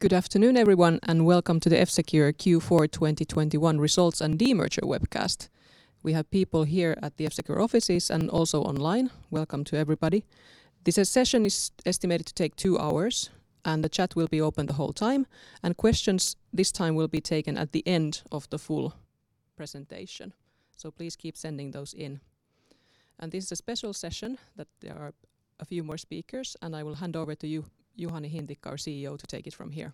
Good afternoon, everyone, and welcome to the F-Secure Q4 2021 Results and Demerger Webcast. We have people here at the F-Secure offices and also online. Welcome to everybody. This session is estimated to take two hours, and the chat will be open the whole time. Questions this time will be taken at the end of the full presentation. Please keep sending those in. This is a special session that there are a few more speakers, and I will hand over to you, Juhani Hintikka, our CEO, to take it from here.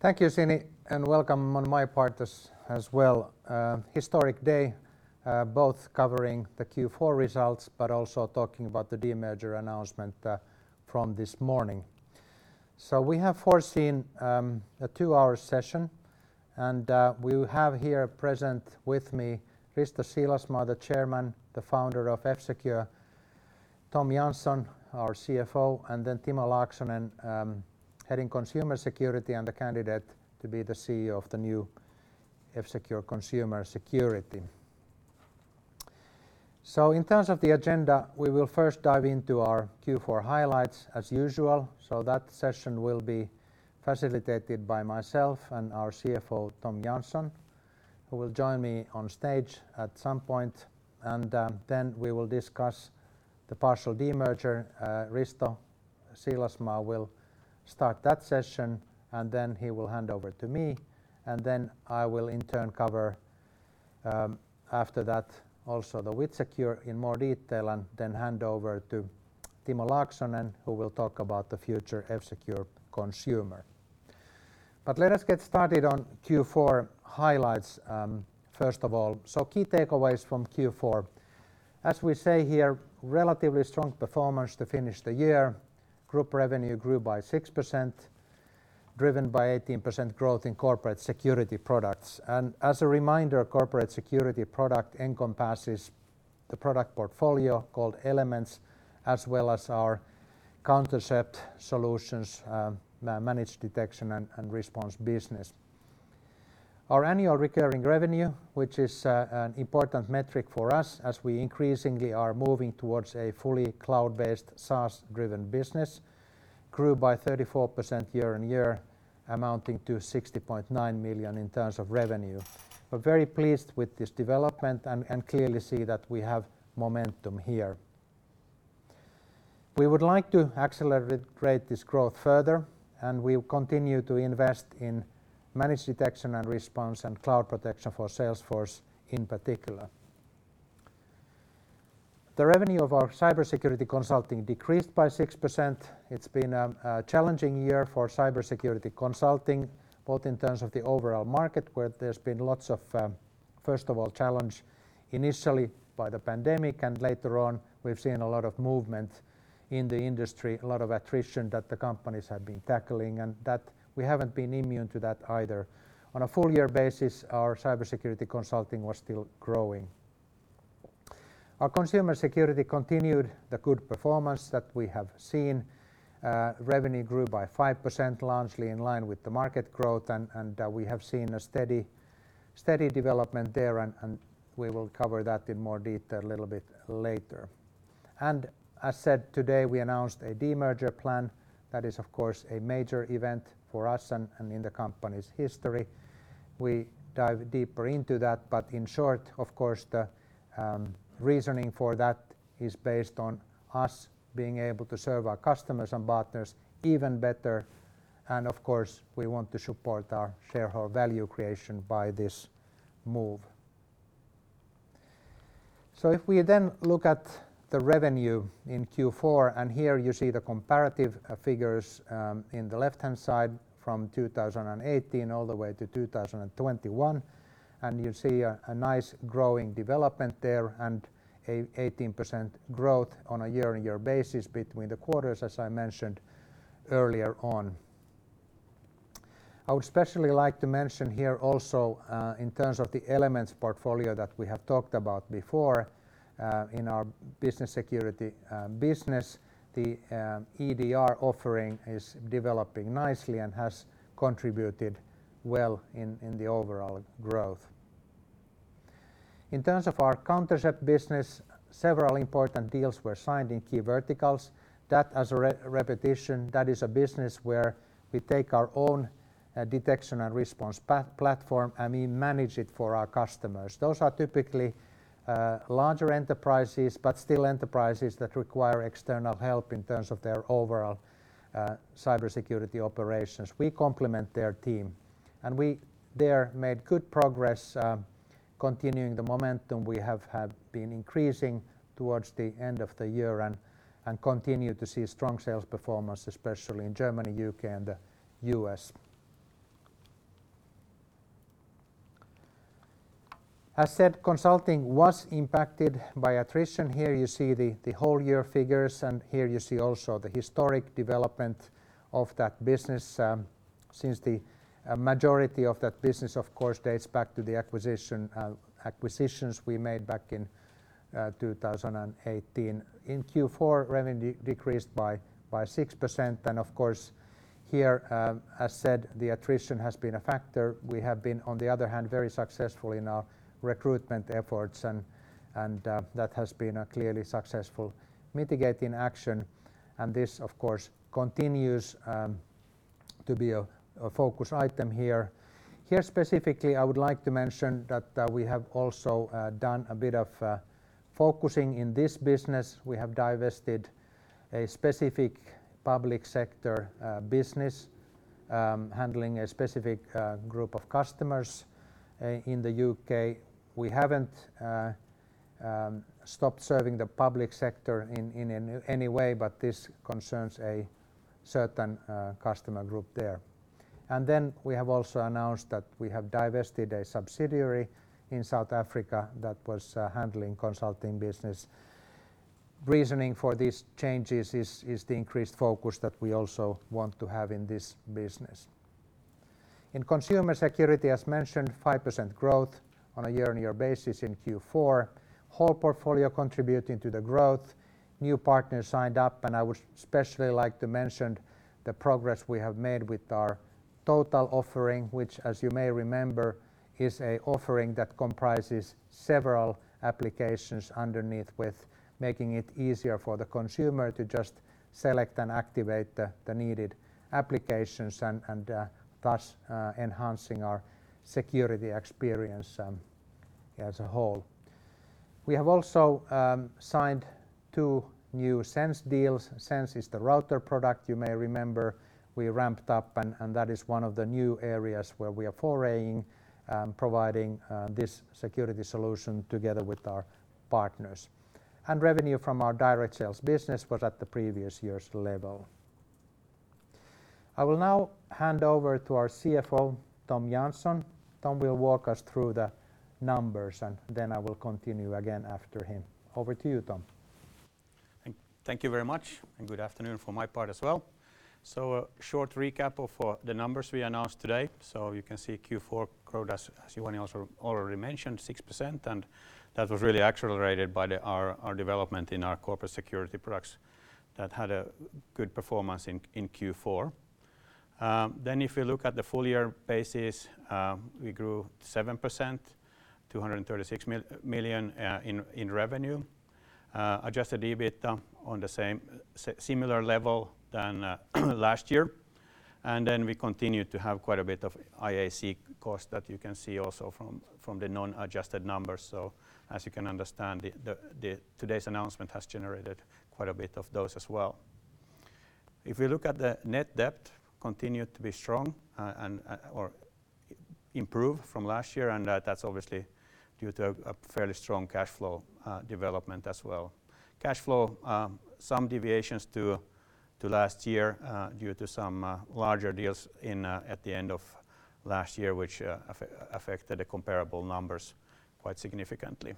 Thank you, Sini, and welcome on my part as well. Historic day, both covering the Q4 results but also talking about the demerger announcement from this morning. We have foreseen a two-hour session, and we will have here present with me Risto Siilasmaa, the Chairman, the Founder of F-Secure, Tom Jansson, our CFO, and then Timo Laaksonen, heading Consumer Security and the candidate to be the CEO of the new F-Secure Consumer Security. In terms of the agenda, we will first dive into our Q4 highlights as usual. That session will be facilitated by myself and our CFO, Tom Jansson, who will join me on stage at some point. We will discuss the partial demerger. Risto Siilasmaa will start that session, and then he will hand over to me, and then I will in turn cover, after that also the WithSecure in more detail and then hand over to Timo Laaksonen, who will talk about the future F-Secure consumer. Let us get started on Q4 highlights, first of all. Key takeaways from Q4. As we say here, relatively strong performance to finish the year. Group revenue grew by 6%, driven by 18% growth in corporate security products. As a reminder, corporate security product encompasses the product portfolio called Elements, as well as our Countercept solutions, managed detection and response business. Our annual recurring revenue, which is an important metric for us as we increasingly are moving towards a fully cloud-based, SaaS-driven business, grew by 34% year-on-year, amounting to 60.9 million in terms of revenue. We're very pleased with this development and clearly see that we have momentum here. We would like to accelerate the rate of this growth further, and we'll continue to invest in managed detection and response and Cloud Protection for Salesforce in particular. The revenue of our cybersecurity consulting decreased by 6%. It's been a challenging year for cybersecurity consulting, both in terms of the overall market, where there's been lots of, first of all, challenge initially by the pandemic, and later on, we've seen a lot of movement in the industry, a lot of attrition that the companies have been tackling, and that we haven't been immune to that either. On a full year basis, our cybersecurity consulting was still growing. Our consumer security continued the good performance that we have seen. Revenue grew by 5%, largely in line with the market growth, and we have seen a steady development there, and we will cover that in more detail a little bit later. As said, today we announced a demerger plan. That is, of course, a major event for us and in the company's history. We dive deeper into that, but in short, of course, the reasoning for that is based on us being able to serve our customers and partners even better, and of course, we want to support our shareholder value creation by this move. If we then look at the revenue in Q4, and here you see the comparative figures in the left-hand side from 2018 all the way to 2021, and you see a nice growing development there and 18% growth on a year-on-year basis between the quarters, as I mentioned earlier on. I would especially like to mention here also, in terms of the Elements portfolio that we have talked about before, in our Business Security business, the EDR offering is developing nicely and has contributed well in the overall growth. In terms of our Countercept business, several important deals were signed in key verticals. That, as a repetition, is a business where we take our own detection and response platform, and we manage it for our customers. Those are typically larger enterprises, but still enterprises that require external help in terms of their overall cybersecurity operations. We complement their team, and we there made good progress continuing the momentum we have had been increasing towards the end of the year and continue to see strong sales performance, especially in Germany, U.K., and the U.S. As said, consulting was impacted by attrition. Here you see the whole year figures, and here you see also the historic development of that business, since the majority of that business of course dates back to the acquisitions we made back in 2018. In Q4, revenue decreased by 6%, and of course, here, as said, the attrition has been a factor. We have been, on the other hand, very successful in our recruitment efforts, and that has been a clearly successful mitigating action. This of course continues to be a focus item here. Here specifically, I would like to mention that we have also done a bit of focusing in this business. We have divested a specific public sector business handling a specific group of customers in the U.K. We haven't stopped serving the public sector in any way, but this concerns a certain customer group there. Then we have also announced that we have divested a subsidiary in South Africa that was handling consulting business. Reasoning for these changes is the increased focus that we also want to have in this business. In consumer security, as mentioned, 5% growth on a year-on-year basis in Q4. Whole portfolio contributing to the growth, new partners signed up, and I would especially like to mention the progress we have made with our Total offering, which, as you may remember, is an offering that comprises several applications underneath with making it easier for the consumer to just select and activate the needed applications and thus enhancing our security experience as a whole. We have also signed two new SENSE deals. SENSE is the router product you may remember we ramped up, and that is one of the new areas where we are foraying providing this security solution together with our partners. Revenue from our direct sales business was at the previous year's level. I will now hand over to our CFO, Tom Jansson. Tom will walk us through the numbers, and then I will continue again after him. Over to you, Tom. Thank you very much, and good afternoon from my part as well. A short recap of the numbers we announced today. You can see Q4 growth, as Juhani also already mentioned, 6%, and that was really accelerated by our development in our corporate security products that had a good performance in Q4. Then if you look at the full year basis, we grew 7%, 236 million in revenue. Adjusted EBIT on a similar level than last year. We continued to have quite a bit of IAC cost that you can see also from the non-adjusted numbers. As you can understand, today's announcement has generated quite a bit of those as well. If you look at the net debt, continued to be strong or improved from last year, and that's obviously due to a fairly strong cash flow development as well. Cash flow some deviations to last year due to some larger deals in at the end of last year, which affected the comparable numbers quite significantly.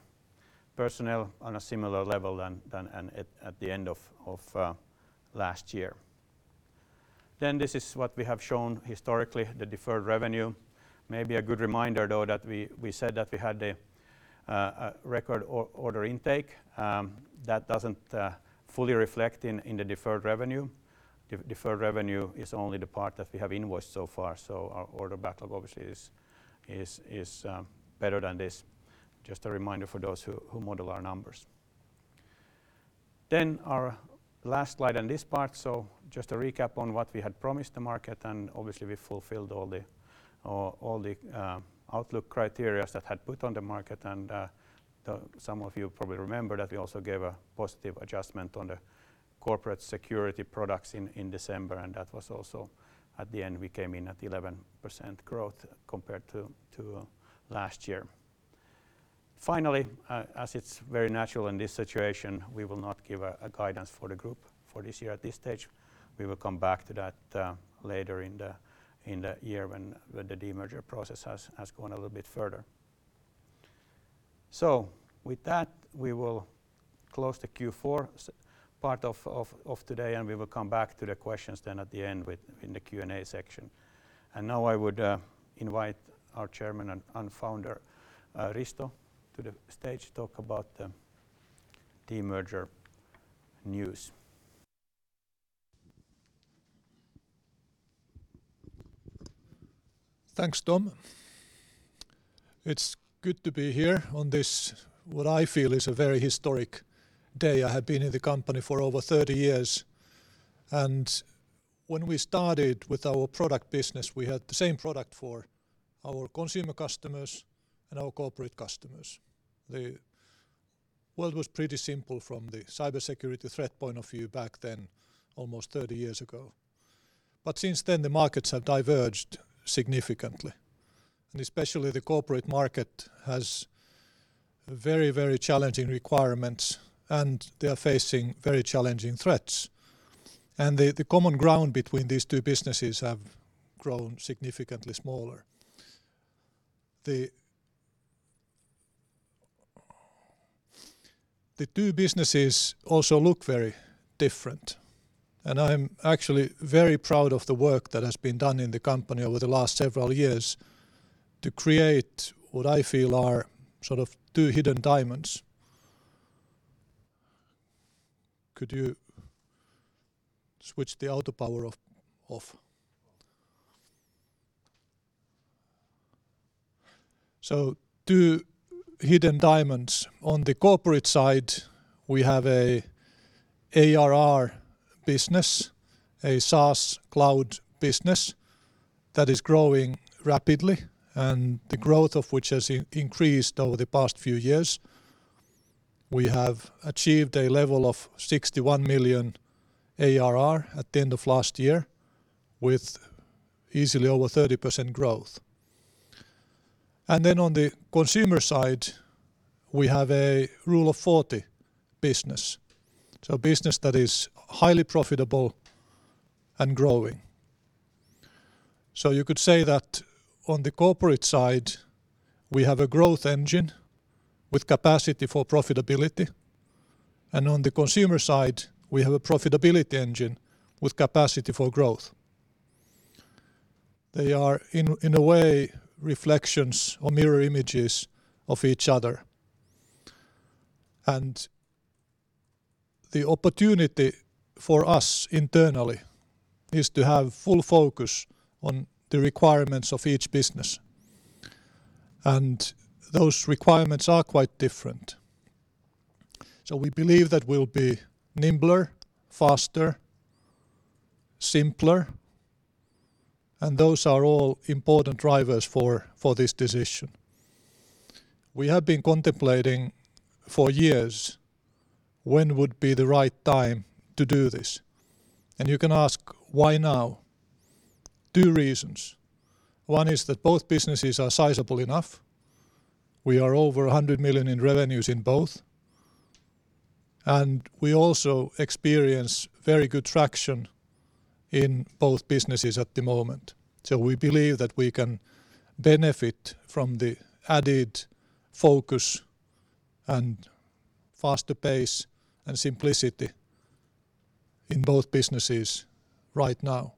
Personnel on a similar level than at the end of last year. This is what we have shown historically, the deferred revenue. Maybe a good reminder though that we said that we had a record order intake that doesn't fully reflect in the deferred revenue. Deferred revenue is only the part that we have invoiced so far, so our order backlog obviously is better than this. Just a reminder for those who model our numbers. Our last slide on this part, so just a recap on what we had promised the market, and obviously we fulfilled all the outlook criteria that we had put on the market. Some of you probably remember that we also gave a positive adjustment on the corporate security products in December, and that was also at the end, we came in at 11% growth compared to last year. Finally, as it's very natural in this situation, we will not give a guidance for the group for this year at this stage. We will come back to that later in the year when the demerger process has gone a little bit further. With that, we will close the Q4 part of today, and we will come back to the questions then at the end within the Q&A section. Now I would invite our Chairman and Founder, Risto, to the stage to talk about the demerger news. Thanks, Tom. It's good to be here on this, what I feel is a very historic day. I have been in the company for over 30 years, and when we started with our product business, we had the same product for our consumer customers and our corporate customers. The world was pretty simple from the cybersecurity threat point of view back then, almost 30 years ago. Since then, the markets have diverged significantly, and especially the corporate market has very, very challenging requirements, and they are facing very challenging threats. The common ground between these two businesses have grown significantly smaller. The two businesses also look very different, and I'm actually very proud of the work that has been done in the company over the last several years to create what I feel are sort of two hidden diamonds. Two hidden diamonds. On the corporate side, we have an ARR business, a SaaS cloud business that is growing rapidly, and the growth of which has increased over the past few years. We have achieved a level of 61 million ARR at the end of last year with easily over 30% growth. On the consumer side, we have a Rule of 40 business. Business that is highly profitable and growing. You could say that on the corporate side, we have a growth engine with capacity for profitability, and on the consumer side, we have a profitability engine with capacity for growth. They are, in a way, reflections or mirror images of each other. The opportunity for us internally is to have full focus on the requirements of each business, and those requirements are quite different. We believe that we'll be nimbler, faster, simpler, and those are all important drivers for this decision. We have been contemplating for years when would be the right time to do this, and you can ask, why now? Two reasons. One is that both businesses are sizable enough. We are over 100 million in revenues in both, and we also experience very good traction in both businesses at the moment. We believe that we can benefit from the added focus and faster pace and simplicity in both businesses right now.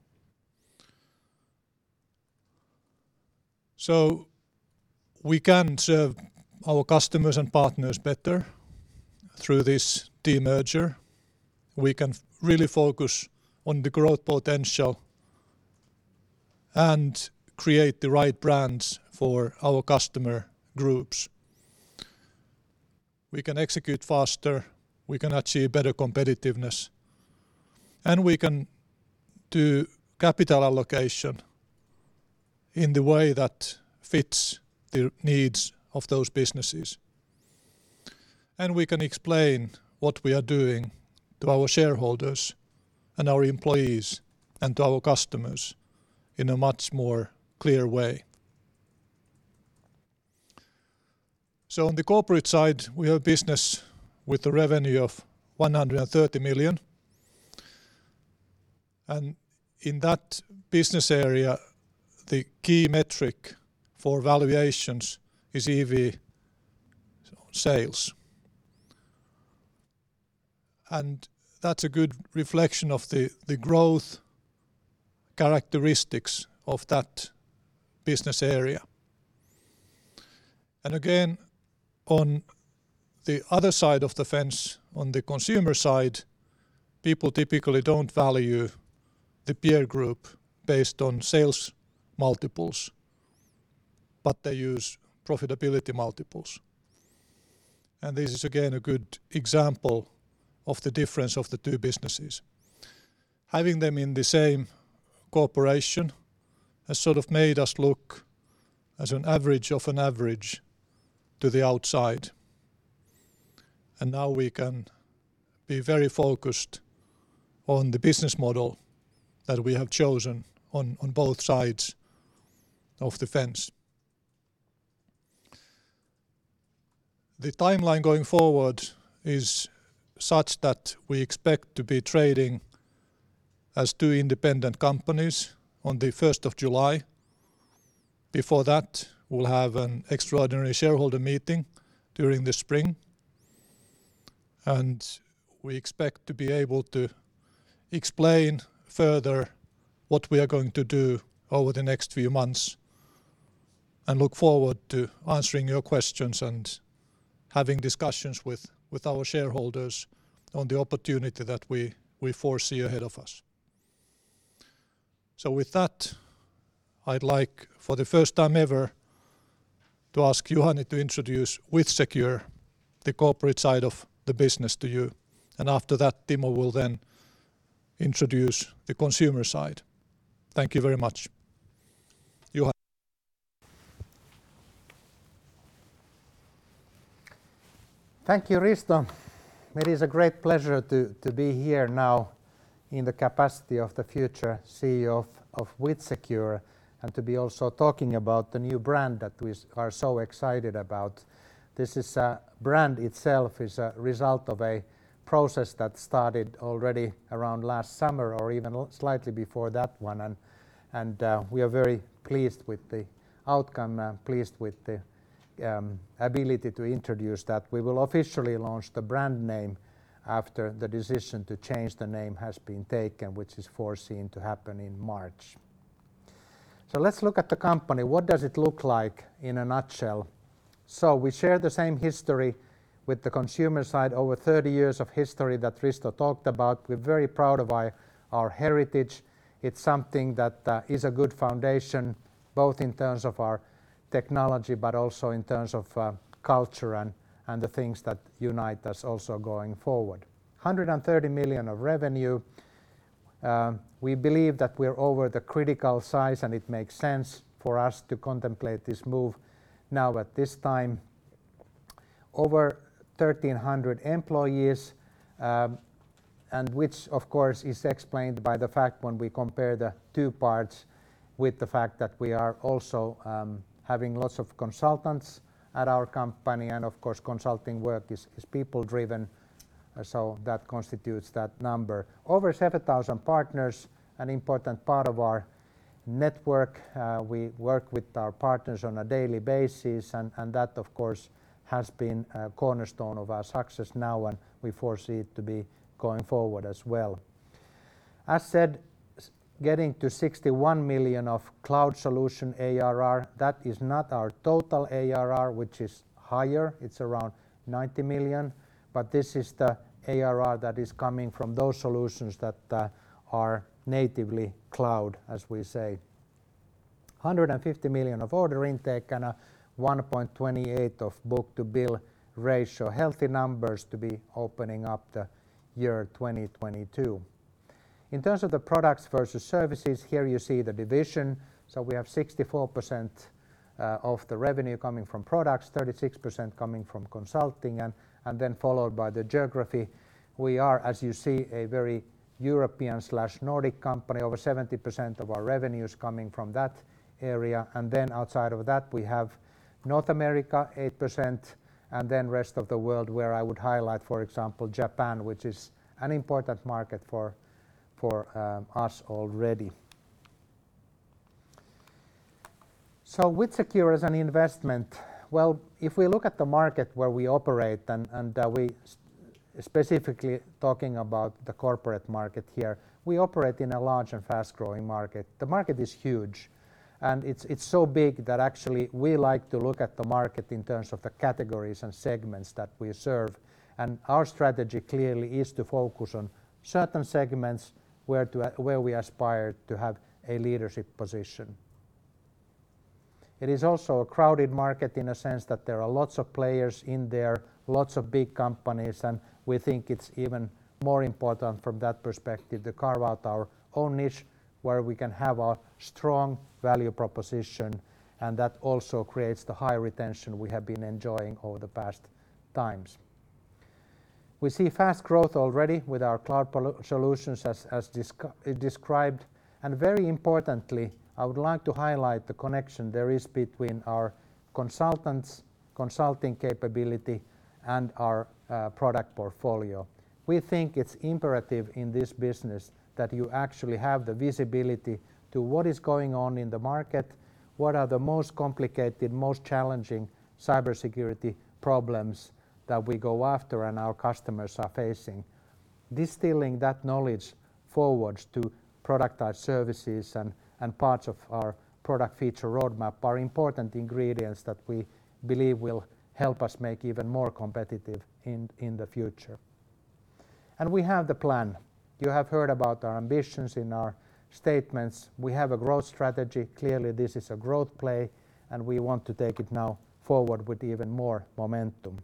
We can serve our customers and partners better through this demerger. We can really focus on the growth potential and create the right brands for our customer groups. We can execute faster, we can achieve better competitiveness, and we can do capital allocation in the way that fits the needs of those businesses. We can explain what we are doing to our shareholders and our employees and to our customers in a much more clear way. On the corporate side, we have business with a revenue of 130 million, and in that business area, the key metric for valuations is EV/Sales. That's a good reflection of the growth characteristics of that business area. Again, on the other side of the fence, on the consumer side, people typically don't value the peer group based on sales multiples, but they use profitability multiples. This is again a good example of the difference of the two businesses. Having them in the same corporation has sort of made us look as an average of an average to the outside, and now we can be very focused on the business model that we have chosen on both sides of the fence. The timeline going forward is such that we expect to be trading as two independent companies on the first of July. Before that, we'll have an extraordinary shareholder meeting during the spring, and we expect to be able to explain further what we are going to do over the next few months and look forward to answering your questions and having discussions with our shareholders on the opportunity that we foresee ahead of us. With that, I'd like, for the first time ever, to ask Juhani to introduce WithSecure, the corporate side of the business to you. After that, Timo will then introduce the consumer side. Thank you very much. Juhani. Thank you, Risto. It is a great pleasure to be here now in the capacity of the future CEO of WithSecure and to be also talking about the new brand that we are so excited about. This is brand itself is a result of a process that started already around last summer or even slightly before that one and we are very pleased with the outcome and pleased with the ability to introduce that. We will officially launch the brand name after the decision to change the name has been taken, which is foreseen to happen in March. Let's look at the company. What does it look like in a nutshell? We share the same history with the consumer side, over thirty years of history that Risto talked about. We're very proud of our heritage. It's something that is a good foundation, both in terms of our technology, but also in terms of culture and the things that unite us also going forward. 130 million of revenue. We believe that we're over the critical size, and it makes sense for us to contemplate this move now at this time. Over 1,300 employees, and which, of course, is explained by the fact when we compare the two parts with the fact that we are also having lots of consultants at our company. Of course, consulting work is people-driven, so that constitutes that number. Over 7,000 partners, an important part of our network. We work with our partners on a daily basis, and that, of course, has been a cornerstone of our success now, and we foresee it to be going forward as well. As said, getting to 61 million of cloud solution ARR, that is not our total ARR, which is higher. It's around 90 million. But this is the ARR that is coming from those solutions that are natively cloud, as we say. 150 million of order intake and 1.28 book-to-bill ratio. Healthy numbers to be opening up the year 2022. In terms of the products versus services, here you see the division. We have 64% of the revenue coming from products, 36% coming from consulting, and then followed by the geography. We are, as you see, a very European/Nordic company. Over 70% of our revenue is coming from that area. Outside of that, we have North America, 8%, and rest of the world, where I would highlight, for example, Japan, which is an important market for us already. WithSecure as an investment, well, if we look at the market where we operate, and we specifically talking about the corporate market here, we operate in a large and fast-growing market. The market is huge, and it's so big that actually we like to look at the market in terms of the categories and segments that we serve. Our strategy clearly is to focus on certain segments where we aspire to have a leadership position. It is also a crowded market in a sense that there are lots of players in there, lots of big companies, and we think it's even more important from that perspective to carve out our own niche where we can have a strong value proposition, and that also creates the high retention we have been enjoying over the past times. We see fast growth already with our cloud solutions as described, and very importantly, I would like to highlight the connection there is between our consultants, consulting capability, and our product portfolio. We think it's imperative in this business that you actually have the visibility to what is going on in the market, what are the most complicated, most challenging cybersecurity problems that we go after and our customers are facing. Distilling that knowledge forwards to productize services and parts of our product feature roadmap are important ingredients that we believe will help us make even more competitive in the future. We have the plan. You have heard about our ambitions in our statements. We have a growth strategy. Clearly, this is a growth play, and we want to take it now forward with even more momentum.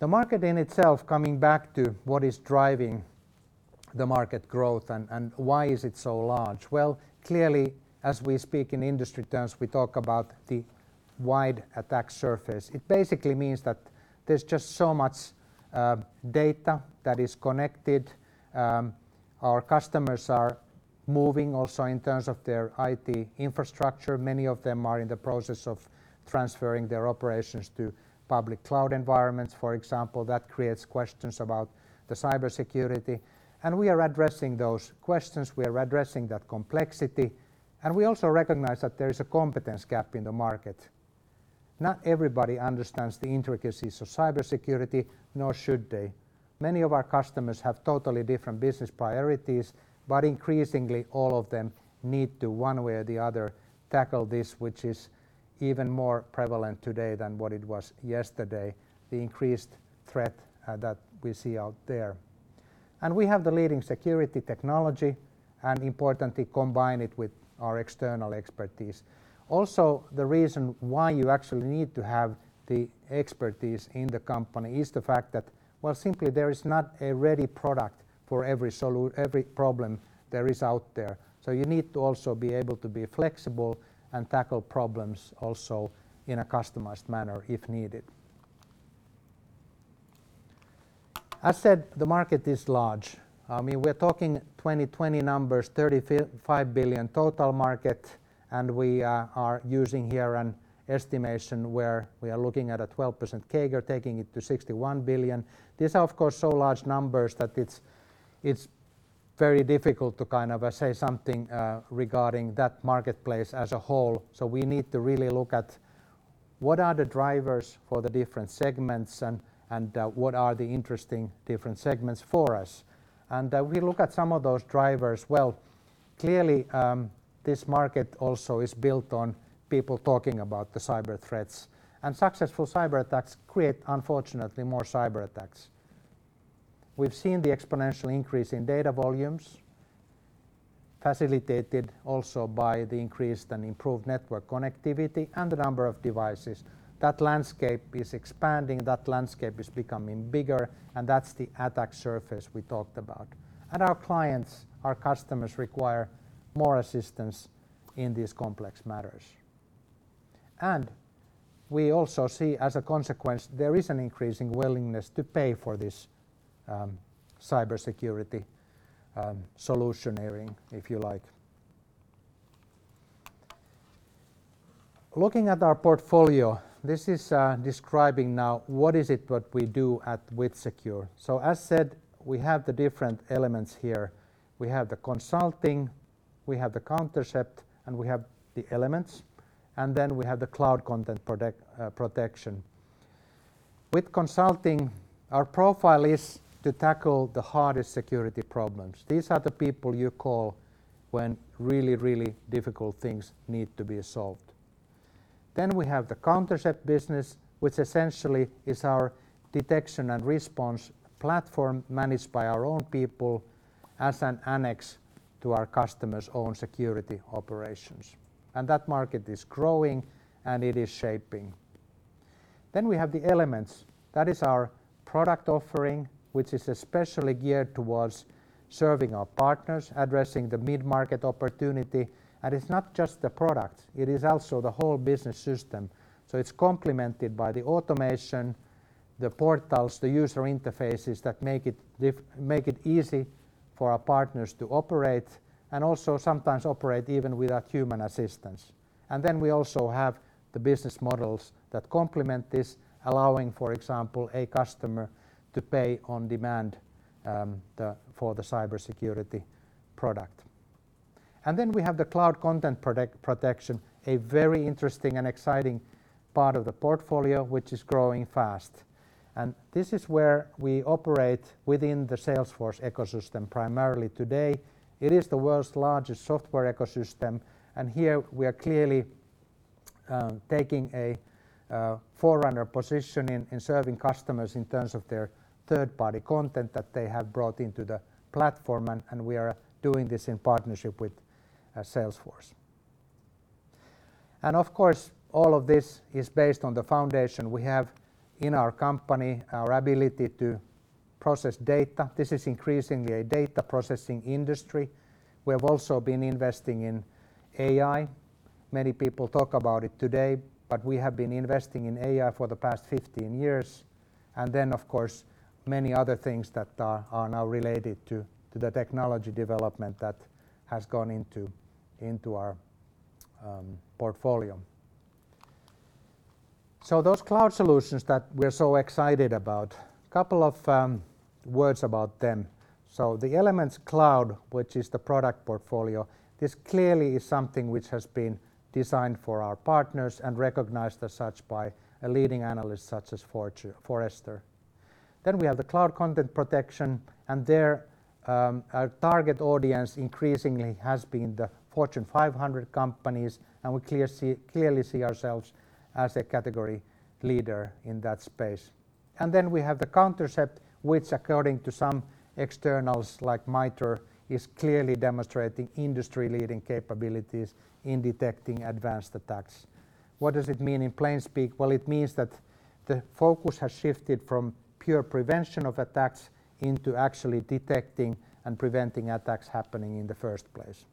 The market in itself, coming back to what is driving the market growth and why is it so large? Well, clearly, as we speak in industry terms, we talk about the wide attack surface. It basically means that there's just so much data that is connected. Our customers are moving also in terms of their IT infrastructure. Many of them are in the process of transferring their operations to public cloud environments, for example. That creates questions about the cybersecurity, and we are addressing those questions. We are addressing that complexity, and we also recognize that there is a competence gap in the market. Not everybody understands the intricacies of cybersecurity, nor should they. Many of our customers have totally different business priorities, but increasingly, all of them need to, one way or the other, tackle this, which is even more prevalent today than what it was yesterday, the increased threat that we see out there. We have the leading security technology and importantly combine it with our external expertise. Also, the reason why you actually need to have the expertise in the company is the fact that, well, simply there is not a ready product for every problem there is out there. You need to also be able to be flexible and tackle problems also in a customized manner if needed. As said, the market is large. I mean, we're talking 2020 numbers, 35 billion total market, and we are using here an estimation where we are looking at a 12% CAGR, taking it to 61 billion. These are, of course, so large numbers that it's very difficult to kind of say something regarding that marketplace as a whole. We need to really look at what are the drivers for the different segments and what are the interesting different segments for us? We look at some of those drivers. Well, clearly, this market also is built on people talking about the cyber threats. Successful cyber attacks create, unfortunately, more cyber attacks. We've seen the exponential increase in data volumes, facilitated also by the increased and improved network connectivity and the number of devices. That landscape is expanding, that landscape is becoming bigger, and that's the attack surface we talked about. Our clients, our customers require more assistance in these complex matters. We also see, as a consequence, there is an increasing willingness to pay for this cybersecurity solution engineering, if you like. Looking at our portfolio, this is describing now what we do at WithSecure. As said, we have the different Elements here. We have the Consulting, we have the Countercept, and we have the Elements, and then we have the Cloud Content Protection. With Consulting, our profile is to tackle the hardest security problems. These are the people you call when really, really difficult things need to be solved. We have the Countercept business, which essentially is our detection and response platform managed by our own people as an annex to our customers' own security operations. That market is growing, and it is shaping. We have the Elements. That is our product offering, which is especially geared towards serving our partners, addressing the mid-market opportunity. It's not just the product, it is also the whole business system. It's complemented by the automation, the portals, the user interfaces that make it easy for our partners to operate, and also sometimes operate even without human assistance. We also have the business models that complement this, allowing, for example, a customer to pay on demand for the cybersecurity product. We have the Cloud Content Protection, a very interesting and exciting part of the portfolio, which is growing fast. This is where we operate within the Salesforce ecosystem primarily today. It is the world's largest software ecosystem, and here we are clearly taking a forerunner position in serving customers in terms of their third-party content that they have brought into the platform, and we are doing this in partnership with Salesforce. Of course, all of this is based on the foundation we have in our company, our ability to process data. This is increasingly a data processing industry. We have also been investing in AI. Many people talk about it today, but we have been investing in AI for the past 15 years. Of course, many other things that are now related to the technology development that has gone into our portfolio. Those cloud solutions that we're so excited about, couple of words about them. The Elements Cloud, which is the product portfolio, this clearly is something which has been designed for our partners and recognized as such by a leading analyst such as Forrester. We have the Cloud Content Protection, and there, our target audience increasingly has been the Fortune 500 companies, and we clearly see ourselves as a category leader in that space. We have the Countercept, which according to some externals like MITRE, is clearly demonstrating industry-leading capabilities in detecting advanced attacks. What does it mean in plain speak? Well, it means that the focus has shifted from pure prevention of attacks into actually detecting and preventing attacks happening in the first place.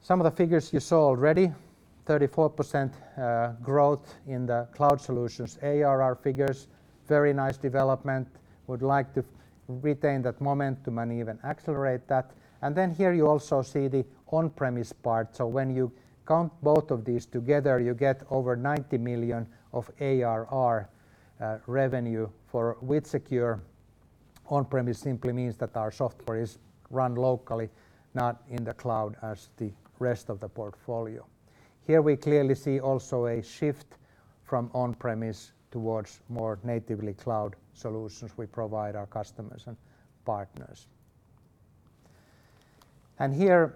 Some of the figures you saw already, 34% growth in the cloud solutions ARR figures, very nice development. Would like to retain that momentum and even accelerate that. Here you also see the on-premise part. When you count both of these together, you get over 90 million of ARR revenue for WithSecure. On-premise simply means that our software is run locally, not in the cloud as the rest of the portfolio. Here we clearly see also a shift from on-premise towards more natively cloud solutions we provide our customers and partners. Here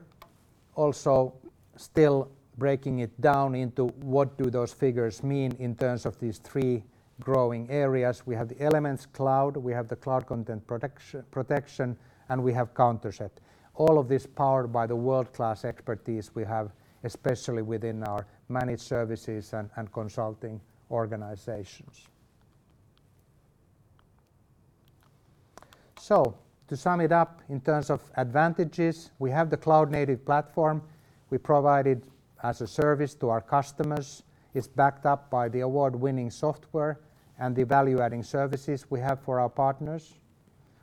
also still breaking it down into what do those figures mean in terms of these three growing areas. We have the Elements Cloud, we have the Cloud Content Protection, and we have Countercept. All of this powered by the world-class expertise we have, especially within our managed services and consulting organizations. To sum it up in terms of advantages, we have the cloud-native platform. We provide it as a service to our customers. It's backed up by the award-winning software and the value-adding services we have for our partners.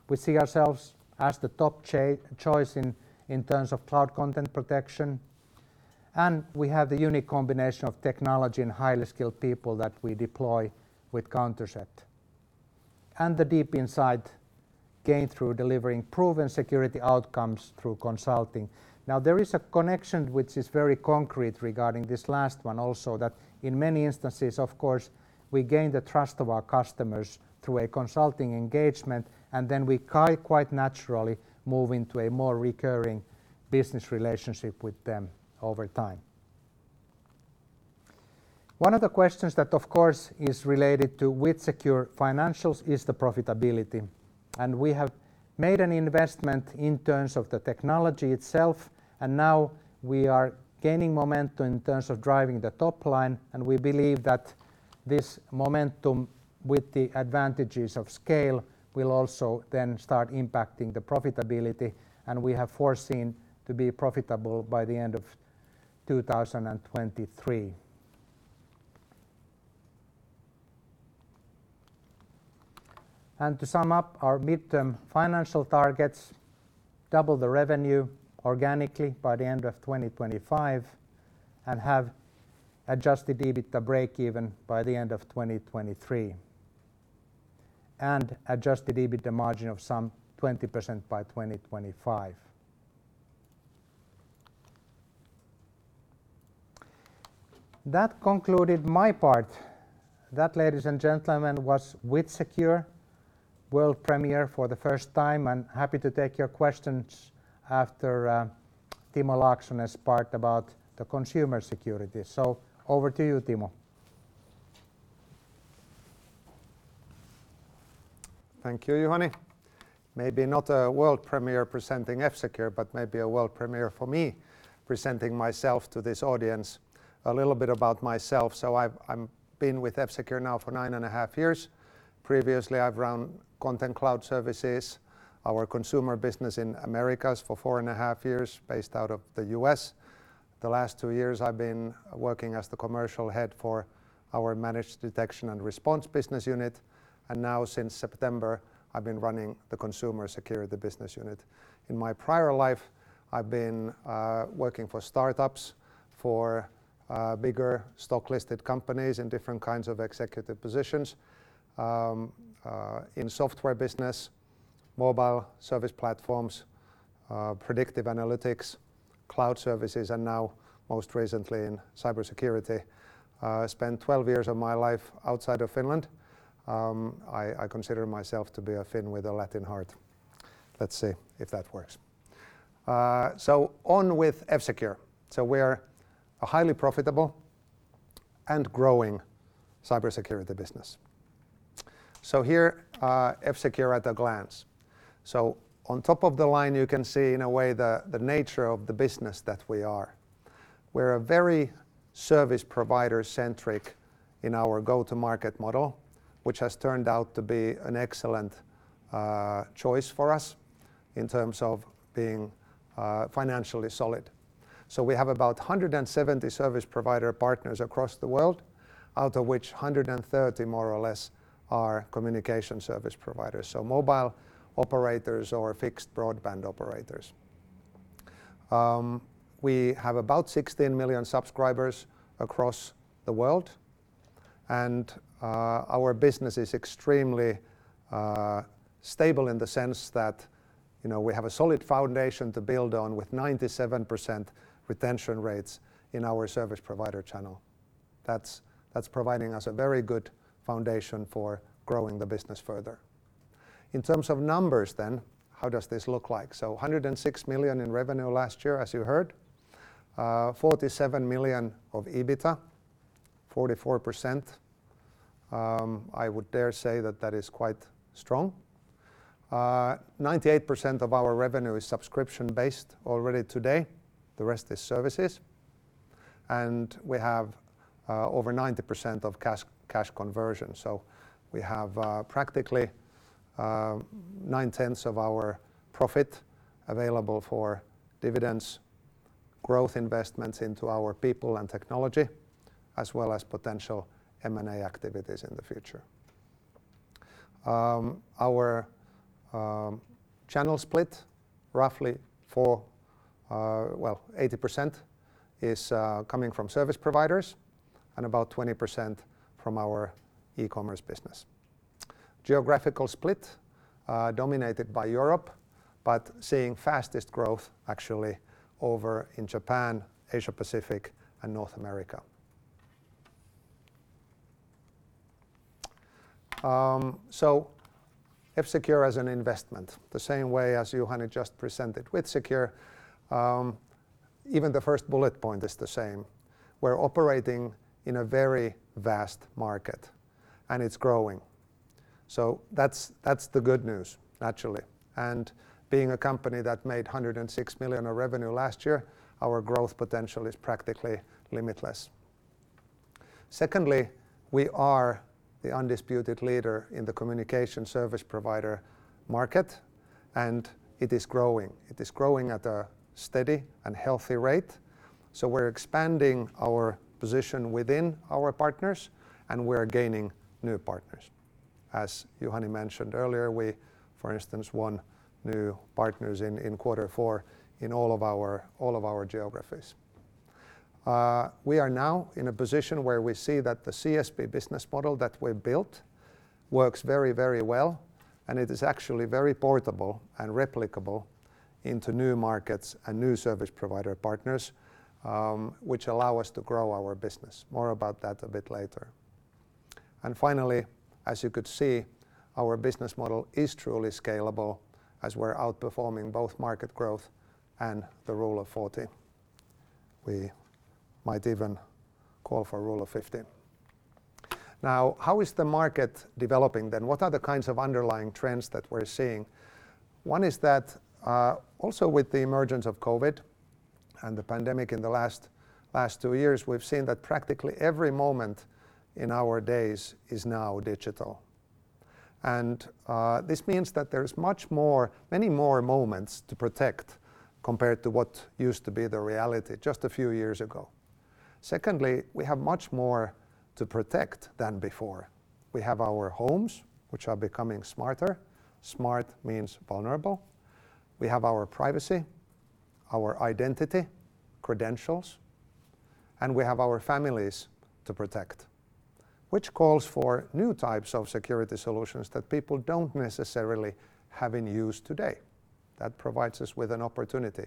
We see ourselves as the top choice in terms of Cloud Content Protection. We have the unique combination of technology and highly skilled people that we deploy with Countercept. The deep insight gained through delivering proven security outcomes through consulting. Now, there is a connection which is very concrete regarding this last one also, that in many instances, of course, we gain the trust of our customers through a consulting engagement, and then we quite naturally move into a more recurring business relationship with them over time. One of the questions that, of course, is related to WithSecure financials is the profitability. We have made an investment in terms of the technology itself, and now we are gaining momentum in terms of driving the top line, and we believe that this momentum with the advantages of scale will also then start impacting the profitability. We have foreseen to be profitable by the end of 2023. To sum up our midterm financial targets, double the revenue organically by the end of 2025 and have adjusted EBITDA breakeven by the end of 2023 and adjusted EBITDA margin of some 20% by 2025. That concluded my part. That, ladies and gentlemen, was WithSecure world premiere for the first time, and happy to take your questions after Timo Laaksonen's part about the consumer security. Over to you, Timo. Thank you, Juhani. Maybe not a world premiere presenting F-Secure, but maybe a world premiere for me presenting myself to this audience. A little bit about myself. I've been with F-Secure now for nine and a half years. Previously, I've run content cloud services, our consumer business in Americas for four and a half years based out of the U.S. The last two years, I've been working as the commercial head for our managed detection and response business unit. Now since September, I've been running the consumer security business unit. In my prior life, I've been working for startups, for bigger stock-listed companies in different kinds of executive positions in software business, mobile service platforms, predictive analytics, cloud services, and now most recently in cybersecurity. I spent 12 years of my life outside of Finland. I consider myself to be a Finn with a Latin heart. Let's see if that works. On with F-Secure. We're a highly profitable and growing cybersecurity business. Here, F-Secure at a glance. On top of the line, you can see in a way the nature of the business that we are. We're a very service provider-centric in our go-to-market model, which has turned out to be an excellent choice for us in terms of being financially solid. We have about 170 service provider partners across the world, out of which 130 more or less are communication service providers, so mobile operators or fixed broadband operators. We have about 16 million subscribers across the world, and our business is extremely stable in the sense that, you know, we have a solid foundation to build on with 97% retention rates in our service provider channel. That's providing us a very good foundation for growing the business further. In terms of numbers then, how does this look like? 106 million in revenue last year, as you heard. 47 million of EBITDA, 44%. I would dare say that is quite strong. 98% of our revenue is subscription-based already today. The rest is services. We have over 90% of cash conversion. We have practically nine-tenths of our profit available for dividends, growth investments into our people and technology, as well as potential M&A activities in the future. Our channel split, 80% is coming from service providers and about 20% from our e-commerce business. Geographical split dominated by Europe, but seeing fastest growth actually over in Japan, Asia Pacific, and North America. F-Secure as an investment, the same way as Juhani just presented WithSecure, even the first bullet point is the same. We're operating in a very vast market, and it's growing. That's the good news, naturally. Being a company that made 106 million of revenue last year, our growth potential is practically limitless. Secondly, we are the undisputed leader in the communication service provider market, and it is growing. It is growing at a steady and healthy rate. We're expanding our position within our partners, and we're gaining new partners. As Juhani mentioned earlier, we, for instance, won new partners in quarter four in all of our geographies. We are now in a position where we see that the CSP business model that we've built works very, very well, and it is actually very portable and replicable into new markets and new service provider partners, which allow us to grow our business. More about that a bit later. Finally, as you could see, our business model is truly scalable as we're outperforming both market growth and the Rule of 40. We might even call for Rule of 50. Now, how is the market developing then? What are the kinds of underlying trends that we're seeing? One is that, also with the emergence of COVID and the pandemic in the last two years, we've seen that practically every moment in our days is now digital. This means that there's much more, many more moments to protect compared to what used to be the reality just a few years ago. Secondly, we have much more to protect than before. We have our homes, which are becoming smarter. Smart means vulnerable. We have our privacy, our identity, credentials, and we have our families to protect, which calls for new types of security solutions that people don't necessarily have in use today. That provides us with an opportunity.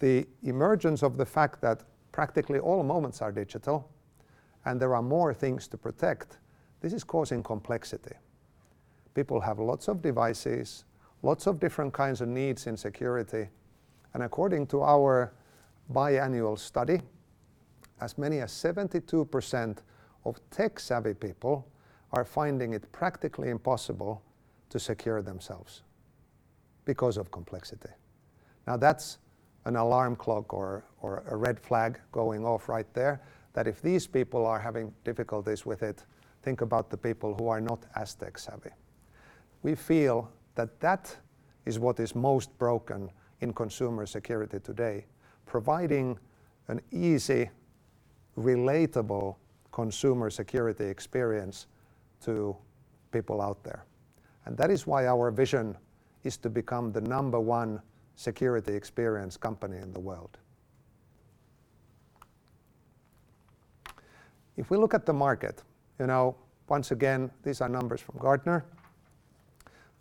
The emergence of the fact that practically all moments are digital, and there are more things to protect, this is causing complexity. People have lots of devices, lots of different kinds of needs in security, and according to our biannual study, as many as 72% of tech-savvy people are finding it practically impossible to secure themselves because of complexity. Now, that's an alarm clock or a red flag going off right there, that if these people are having difficulties with it, think about the people who are not as tech-savvy. We feel that that is what is most broken in consumer security today, providing an easy, relatable consumer security experience to people out there. That is why our vision is to become the number one security experience company in the world. If we look at the market, you know, once again, these are numbers from Gartner,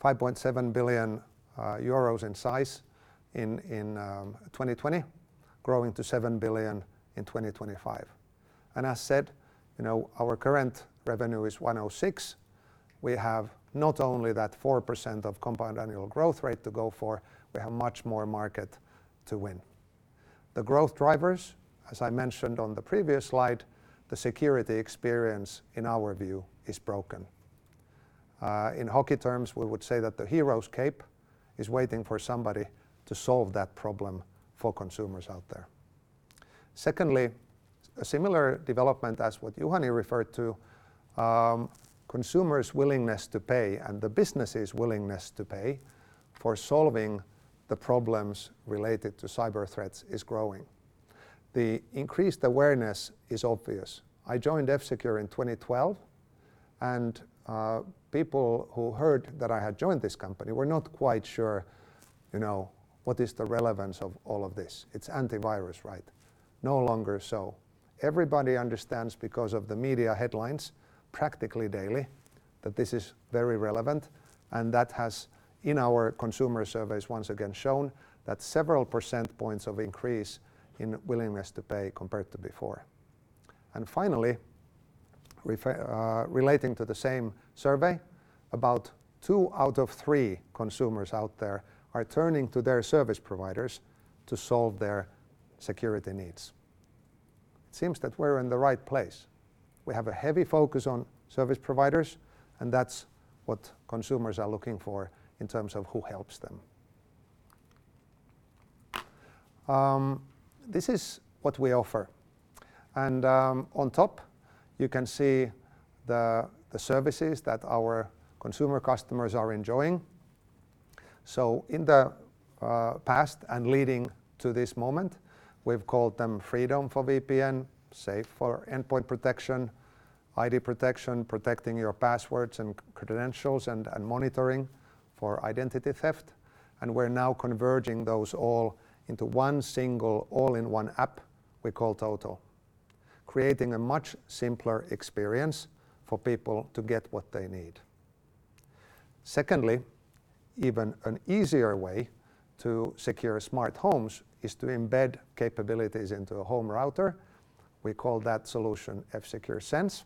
5.7 billion euros in size in 2020, growing to 7 billion in 2025. As said, you know, our current revenue is 106 million. We have not only that 4% compound annual growth rate to go for, we have much more market to win. The growth drivers, as I mentioned on the previous slide, the security experience in our view is broken. In hockey terms, we would say that the hero's cape is waiting for somebody to solve that problem for consumers out there. Secondly, a similar development as what Juhani referred to, consumers' willingness to pay and the businesses' willingness to pay for solving the problems related to cyber threats is growing. The increased awareness is obvious. I joined F-Secure in 2012, and, people who heard that I had joined this company were not quite sure, you know, what is the relevance of all of this. It's antivirus, right? No longer so. Everybody understands because of the media headlines practically daily that this is very relevant, and that has, in our consumer surveys once again shown that several percentage points of increase in willingness to pay compared to before. Finally, relating to the same survey, about two out of three consumers out there are turning to their service providers to solve their security needs. It seems that we're in the right place. We have a heavy focus on service providers, and that's what consumers are looking for in terms of who helps them. This is what we offer. On top, you can see the services that our consumer customers are enjoying. In the past and leading to this moment, we've called them FREEDOME for VPN, SAFE for endpoint protection, ID Protection, protecting your passwords and credentials, and monitoring for identity theft. We're now converging those all into one single all-in-one app we call Total, creating a much simpler experience for people to get what they need. Secondly, even an easier way to secure smart homes is to embed capabilities into a home router. We call that solution F-Secure SENSE.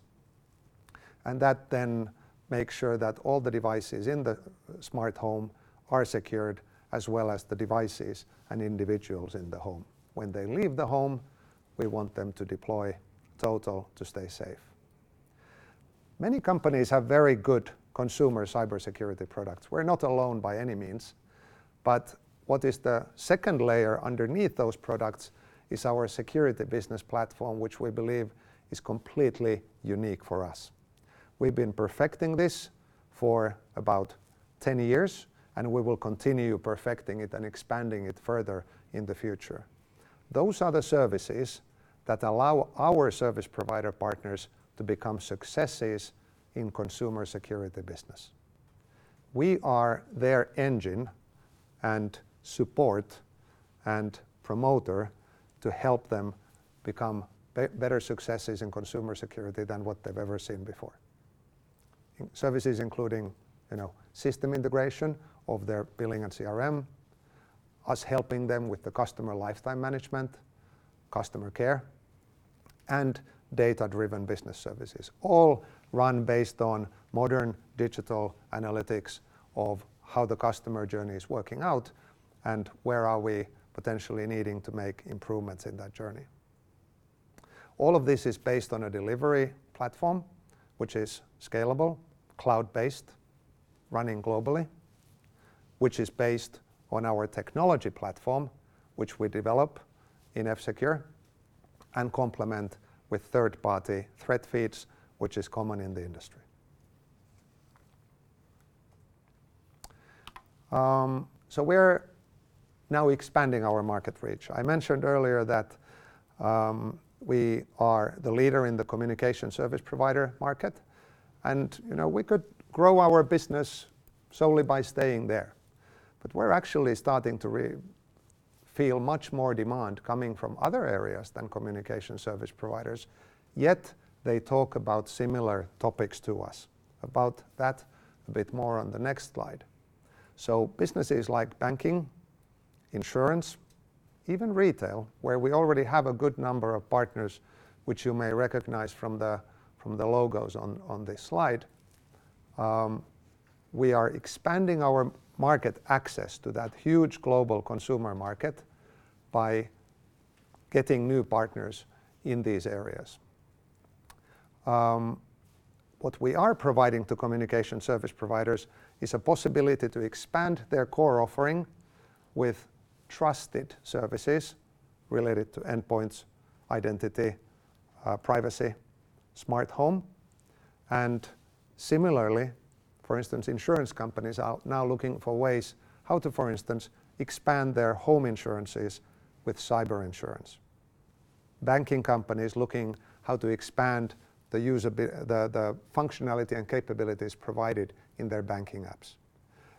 That then makes sure that all the devices in the smart home are secured, as well as the devices and individuals in the home. When they leave the home, we want them to deploy Total to stay safe. Many companies have very good consumer cybersecurity products. We're not alone by any means. What is the second layer underneath those products is our security business platform, which we believe is completely unique for us. We've been perfecting this for about 10 years, and we will continue perfecting it and expanding it further in the future. Those are the services that allow our service provider partners to become successes in consumer security business. We are their engine and support and promoter to help them become better successes in consumer security than what they've ever seen before. Services including, you know, system integration of their billing and CRM, us helping them with the customer lifetime management, customer care, and data-driven business services, all run based on modern digital analytics of how the customer journey is working out and where are we potentially needing to make improvements in that journey. All of this is based on a delivery platform, which is scalable, cloud-based, running globally, which is based on our technology platform, which we develop in F-Secure and complement with third-party threat feeds, which is common in the industry. We're now expanding our market reach. I mentioned earlier that we are the leader in the communication service provider market and, you know, we could grow our business solely by staying there. We're actually starting to feel much more demand coming from other areas than communication service providers, yet they talk about similar topics to us. About that a bit more on the next slide. Businesses like banking, insurance, even retail, where we already have a good number of partners, which you may recognize from the logos on this slide, we are expanding our market access to that huge global consumer market by getting new partners in these areas. What we are providing to communication service providers is a possibility to expand their core offering with trusted services related to endpoints, identity, privacy, smart home. Similarly, for instance, insurance companies are now looking for ways how to, for instance, expand their home insurances with cyber insurance. Banking companies looking how to expand the functionality and capabilities provided in their banking apps.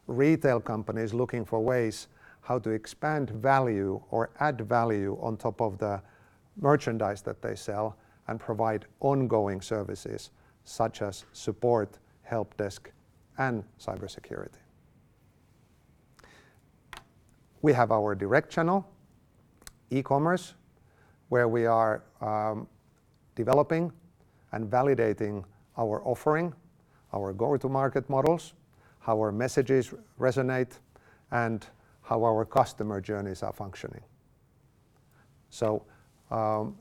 Retail companies looking for ways how to expand value or add value on top of the merchandise that they sell and provide ongoing services such as support, help desk, and cybersecurity. We have our direct channel, e-commerce, where we are developing and validating our offering, our go-to market models, how our messages resonate, and how our customer journeys are functioning.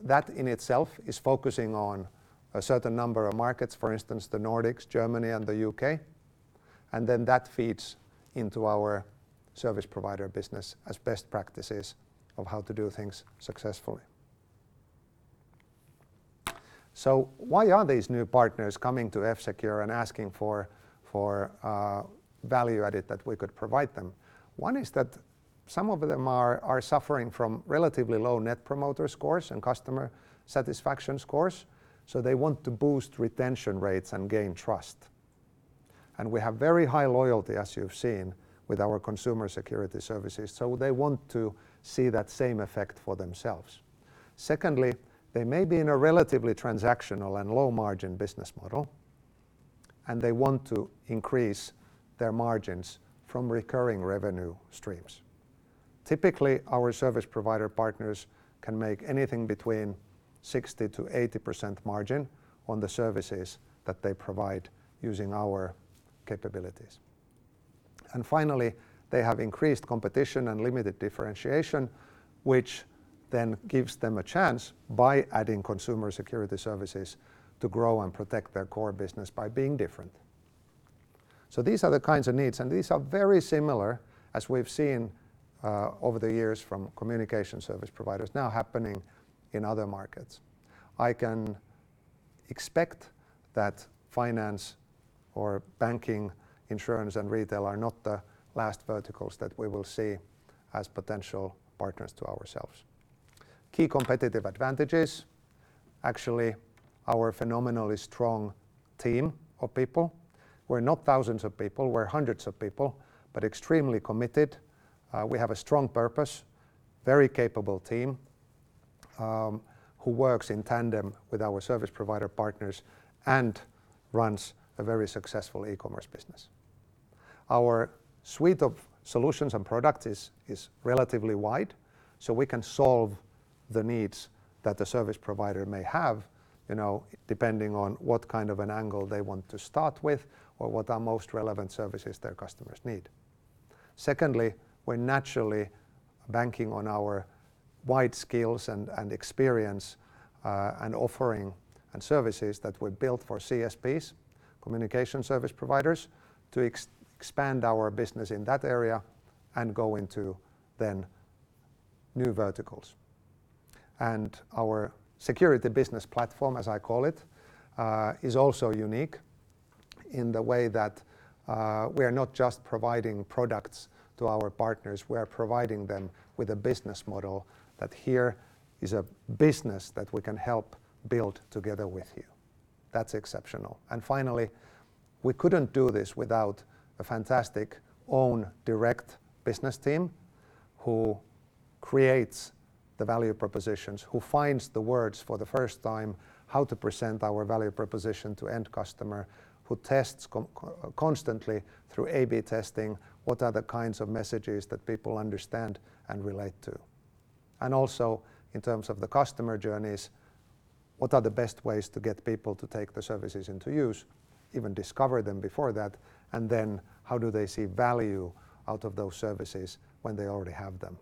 That in itself is focusing on a certain number of markets, for instance, the Nordics, Germany and the UK, and then that feeds into our service provider business as best practices of how to do things successfully. Why are these new partners coming to F-Secure and asking for value added that we could provide them? One is that some of them are suffering from relatively low Net Promoter Score and customer satisfaction scores, so they want to boost retention rates and gain trust, and we have very high loyalty, as you've seen, with our consumer security services, so they want to see that same effect for themselves. Secondly, they may be in a relatively transactional and low margin business model, and they want to increase their margins from recurring revenue streams. Typically, our service provider partners can make anything between 60%-80% margin on the services that they provide using our capabilities. Finally, they have increased competition and limited differentiation, which then gives them a chance by adding consumer security services to grow and protect their core business by being different. These are the kinds of needs, and these are very similar as we've seen over the years from communication service providers now happening in other markets. I can expect that finance or banking, insurance and retail are not the last verticals that we will see as potential partners to ourselves. Key competitive advantages, actually, our phenomenally strong team of people. We're not thousands of people, we're hundreds of people, but extremely committed. We have a strong purpose, very capable team, who works in tandem with our service provider partners and runs a very successful e-commerce business. Our suite of solutions and product is relatively wide, so we can solve the needs that the service provider may have, you know, depending on what kind of an angle they want to start with or what are most relevant services their customers need. Secondly, we're naturally banking on our wide skills and experience and offering and services that were built for CSPs, communication service providers, to expand our business in that area and go into then new verticals. Our security business platform, as I call it, is also unique in the way that we are not just providing products to our partners, we are providing them with a business model that here is a business that we can help build together with you. That's exceptional. Finally, we couldn't do this without a fantastic own direct business team who creates the value propositions, who finds the words for the first time how to present our value proposition to end customer, who tests constantly through A/B testing, what are the kinds of messages that people understand and relate to. Also in terms of the customer journeys, what are the best ways to get people to take the services into use, even discover them before that, and then how do they see value out of those services when they already have them.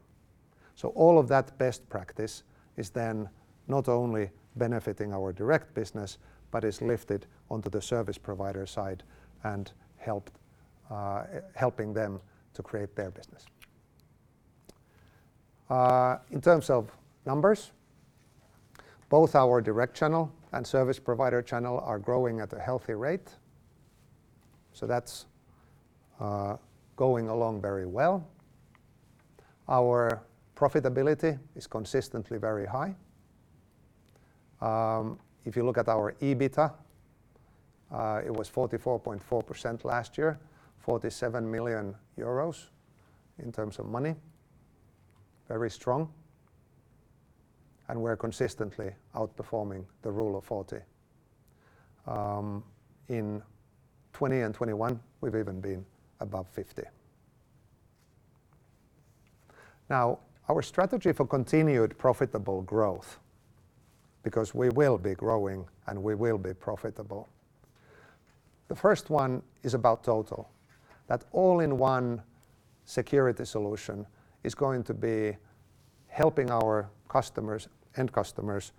All of that best practice is then not only benefiting our direct business, but is lifted onto the service provider side and helping them to create their business. In terms of numbers, both our direct channel and service provider channel are growing at a healthy rate, so that's going along very well. Our profitability is consistently very high. If you look at our EBITDA, it was 44.4% last year, 47 million euros in terms of money. Very strong. We're consistently outperforming the Rule of 40. In 2020 and 2021, we've even been above 50. Our strategy for continued profitable growth, because we will be growing, and we will be profitable. The first one is about Total. That all-in-one security solution is going to be helping our customers, end customers,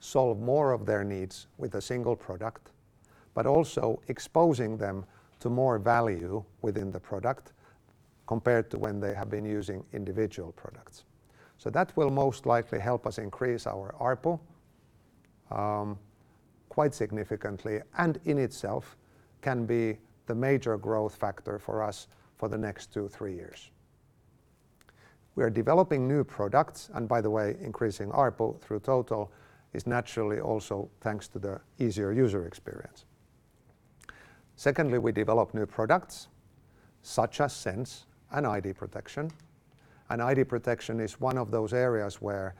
solve more of their needs with a single product, but also exposing them to more value within the product compared to when they have been using individual products. That will most likely help us increase our ARPU, quite significantly, and in itself can be the major growth factor for us for the next two to three years. We are developing new products, and by the way, increasing ARPU through Total is naturally also thanks to the easier user experience. Secondly, we develop new products, such as SENSE and ID Protection. ID Protection is one of those areas where,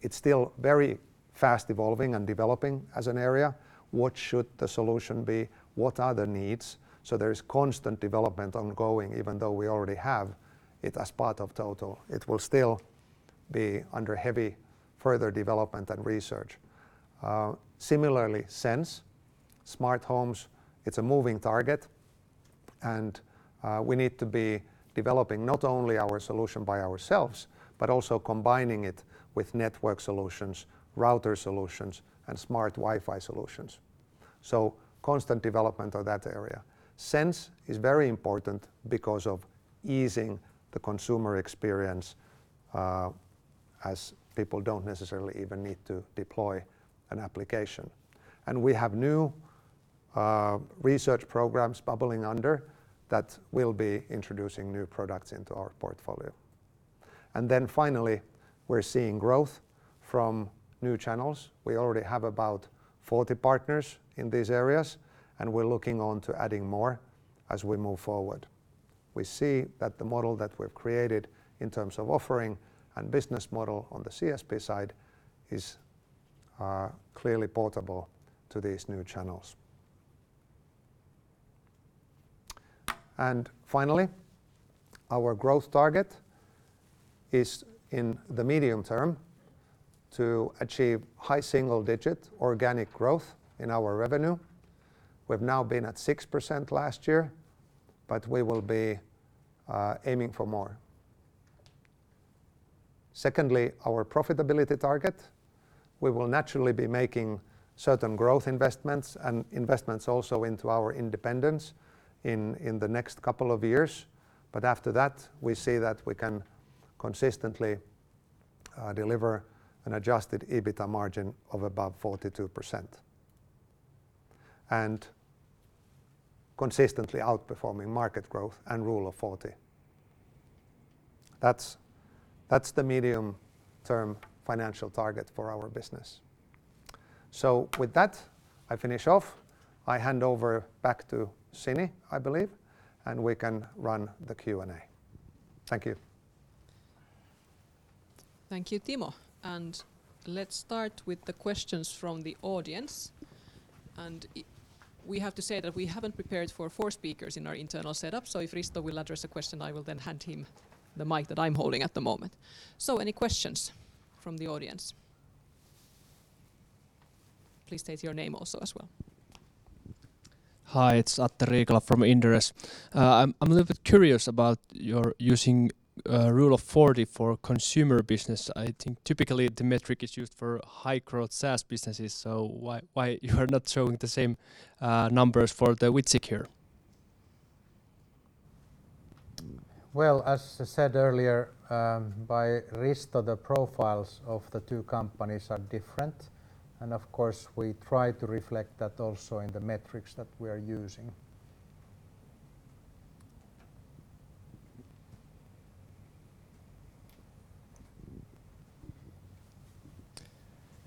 it's still very fast evolving and developing as an area. What should the solution be? What are the needs? There's constant development ongoing, even though we already have it as part of Total. It will still be under heavy further development and research. Similarly, SENSE, smart homes, it's a moving target, and we need to be developing not only our solution by ourselves, but also combining it with network solutions, router solutions, and smart Wi-Fi solutions. Constant development of that area. SENSE is very important because of easing the consumer experience, as people don't necessarily even need to deploy an application. We have new research programs bubbling under that will be introducing new products into our portfolio. Finally, we're seeing growth from new channels. We already have about 40 partners in these areas, and we're looking forward to adding more as we move forward. We see that the model that we've created in terms of offering and business model on the CSP side is clearly portable to these new channels. Finally, our growth target is, in the medium term, to achieve high single-digit organic growth in our revenue. We've now been at 6% last year, but we will be aiming for more. Secondly, our profitability target, we will naturally be making certain growth investments and investments also into our independence in the next couple of years. After that, we see that we can consistently deliver an adjusted EBITDA margin of above 42% and consistently outperforming market growth and Rule of 40. That's the medium-term financial target for our business. With that, I finish off. I hand over back to Sini, I believe, and we can run the Q&A. Thank you. Thank you, Timo. Let's start with the questions from the audience. We have to say that we haven't prepared for four speakers in our internal setup, so if Risto will address a question, I will then hand him the mic that I'm holding at the moment. Any questions from the audience? Please state your name also as well. Hi, it's Atte Riikola from Inderes. I'm a little bit curious about your using Rule of 40 for consumer business. I think typically the metric is used for high-growth SaaS businesses, so why you are not showing the same numbers for WithSecure? Well, as said earlier, by Risto, the profiles of the two companies are different. Of course, we try to reflect that also in the metrics that we are using.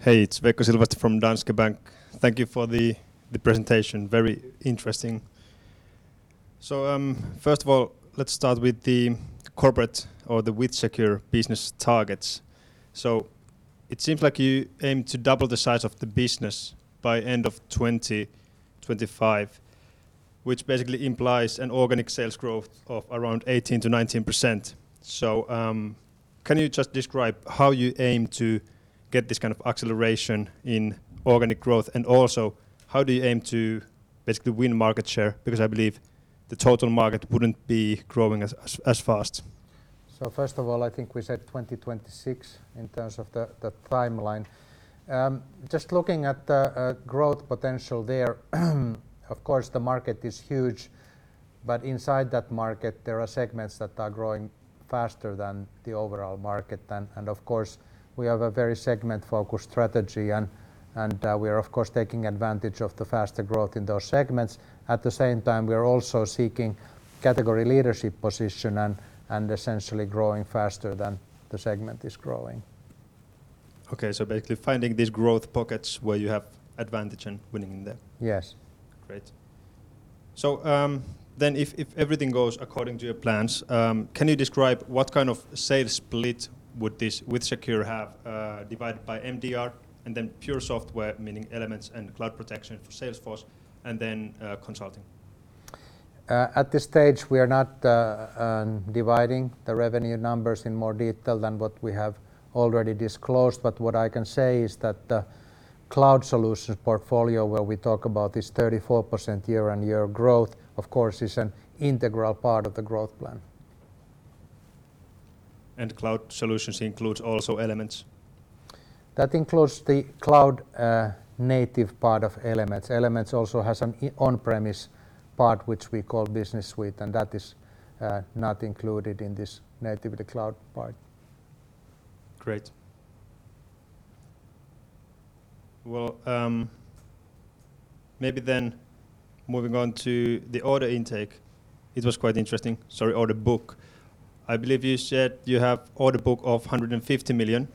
Hey, it's Veikko Silvasti from Danske Bank. Thank you for the presentation. Very interesting. First of all, let's start with the corporate or the WithSecure business targets. It seems like you aim to double the size of the business by end of 2025, which basically implies an organic sales growth of around 18%-19%. Can you just describe how you aim to get this kind of acceleration in organic growth, and also how do you aim to basically win market share, because I believe the total market wouldn't be growing as fast. First of all, I think we said 2026 in terms of the timeline. Just looking at the growth potential there, of course, the market is huge, but inside that market there are segments that are growing faster than the overall market. Of course, we have a very segment-focused strategy and we are of course taking advantage of the faster growth in those segments. At the same time, we are also seeking category leadership position and essentially growing faster than the segment is growing. Okay. Basically finding these growth pockets where you have advantage and winning in there. Yes. Great. If everything goes according to your plans, can you describe what kind of sales split would this WithSecure have, divided by MDR and then pure software, meaning Elements and Cloud Protection for Salesforce and then consulting? At this stage we are not dividing the revenue numbers in more detail than what we have already disclosed, but what I can say is that the cloud solutions portfolio where we talk about this 34% year-on-year growth, of course, is an integral part of the growth plan. Cloud solutions includes also Elements? That includes the cloud native part of Elements. Elements also has an on-premise part, which we call Business Suite, and that is not included in this native cloud part. Great. Well, maybe then moving on to the order book. It was quite interesting. I believe you said you have order book of 150 million.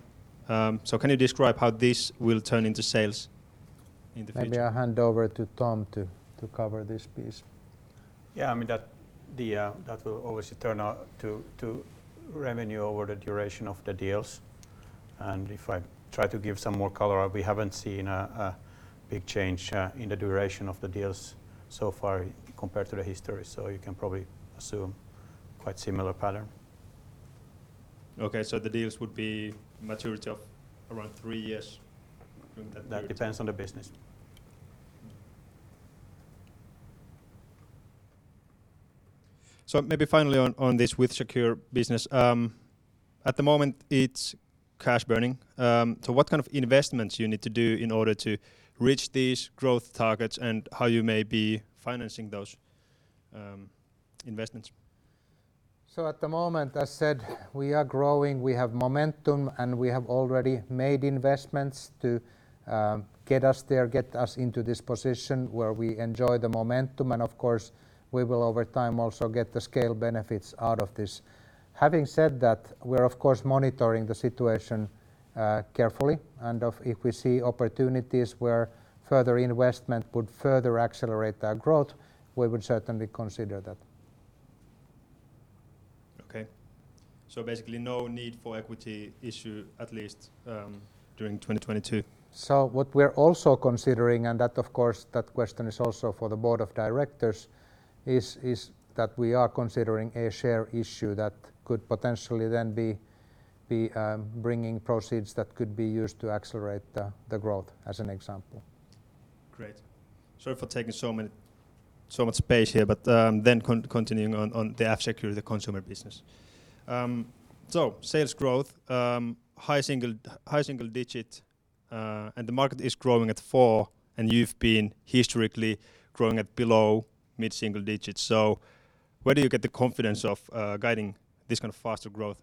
Can you describe how this will turn into sales in the future? Maybe I hand over to Tom to cover this piece. Yeah. I mean, that will always turn out to revenue over the duration of the deals. If I try to give some more color, we haven't seen a big change in the duration of the deals so far compared to the history. You can probably assume quite similar pattern. Okay. The deals would be maturity of around three years from that view? That depends on the business. Maybe finally on this WithSecure business. At the moment it's cash burning. What kind of investments you need to do in order to reach these growth targets and how you may be financing those investments? At the moment, as said, we are growing, we have momentum, and we have already made investments to get us there, get us into this position where we enjoy the momentum. Of course we will over time also get the scale benefits out of this. Having said that, we're of course monitoring the situation carefully and if we see opportunities where further investment would further accelerate our growth, we would certainly consider that. Okay. Basically no need for equity issue, at least, during 2022. What we're also considering, and that of course that question is also for the board of directors is that we are considering a share issue that could potentially then be bringing proceeds that could be used to accelerate the growth as an example. Great. Sorry for taking so much space here, but continuing on the F-Secure consumer business. Sales growth high single digit and the market is growing at 4% and you've been historically growing at below mid-single digits. Where do you get the confidence of guiding this kind of faster growth?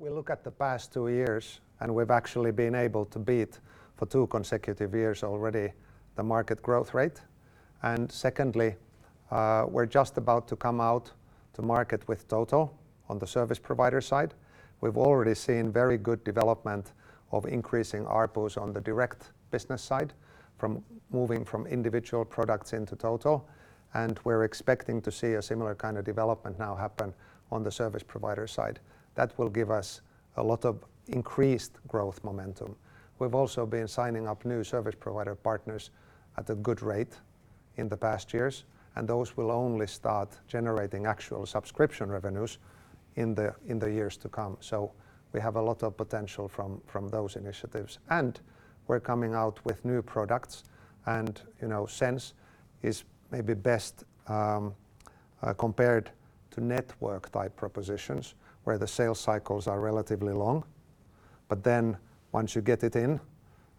We look at the past two years and we've actually been able to beat for two consecutive years already the market growth rate. Secondly, we're just about to come out to market with Total on the service provider side. We've already seen very good development of increasing ARPUs on the direct business side from moving from individual products into Total, and we're expecting to see a similar kind of development now happen on the service provider side. That will give us a lot of increased growth momentum. We've also been signing up new service provider partners at a good rate in the past years, and those will only start generating actual subscription revenues in the years to come. We have a lot of potential from those initiatives. We're coming out with new products and, you know, SENSE is maybe best compared to network type propositions where the sales cycles are relatively long, but then once you get it in,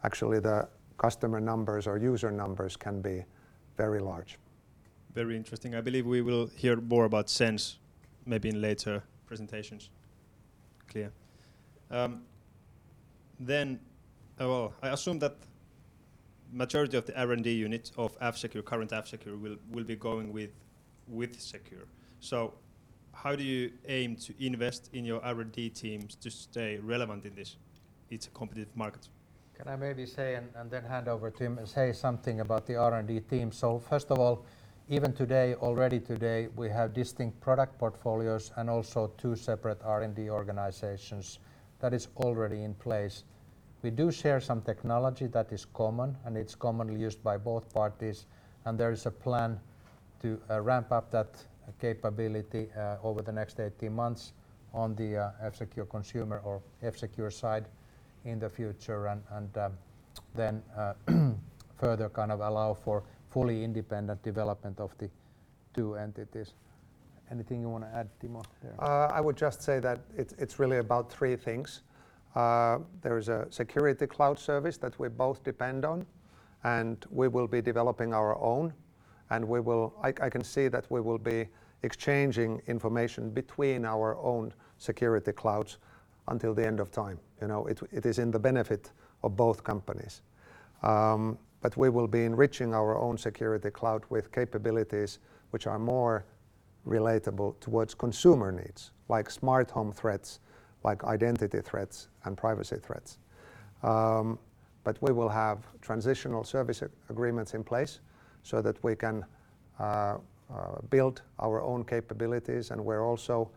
actually the customer numbers or user numbers can be very large. Very interesting. I believe we will hear more about SENSE maybe in later presentations. Clear. Well, I assume that majority of the R&D unit of F-Secure, current F-Secure, will be going with WithSecure. So how do you aim to invest in your R&D teams to stay relevant in these competitive markets? Can I maybe say and then hand over to him and say something about the R&D team. First of all, even today, already today, we have distinct product portfolios and also two separate R&D organizations. That is already in place. We do share some technology that is common, and it's commonly used by both parties, and there is a plan to ramp up that capability over the next 18 months on the F-Secure consumer or F-Secure side in the future and further kind of allow for fully independent development of the two entities. Anything you wanna add, Timo? Yeah. I would just say that it's really about three things. There is a security cloud service that we both depend on, and we will be developing our own, and I can see that we will be exchanging information between our own security clouds until the end of time. You know, it is in the benefit of both companies. But we will be enriching our own security cloud with capabilities which are more relatable towards consumer needs, like smart home threats, like identity threats, and privacy threats. But we will have transitional service agreements in place so that we can build our own capabilities, and we're also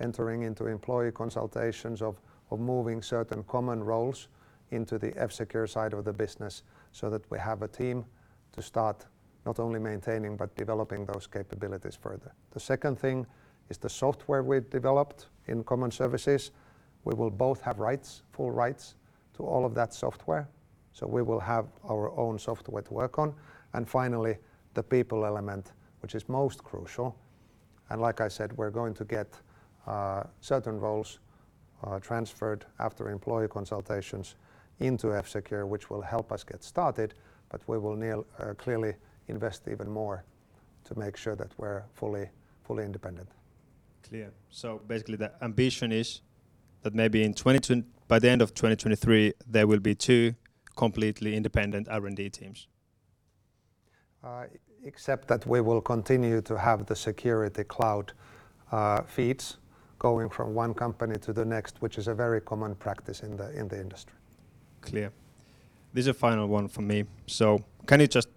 entering into employee consultations of moving certain common roles into the F-Secure side of the business so that we have a team to start not only maintaining, but developing those capabilities further. The second thing is the software we've developed in common services. We will both have rights, full rights to all of that software, so we will have our own software to work on. Finally, the people element, which is most crucial, and like I said, we're going to get certain roles transferred after employee consultations into F-Secure, which will help us get started, but we will need to clearly invest even more to make sure that we're fully independent. Clear. Basically, the ambition is that maybe by the end of 2023, there will be two completely independent R&D teams. Except that we will continue to have the security cloud feeds going from one company to the next, which is a very common practice in the industry. Clear. This is the final one from me. Can you just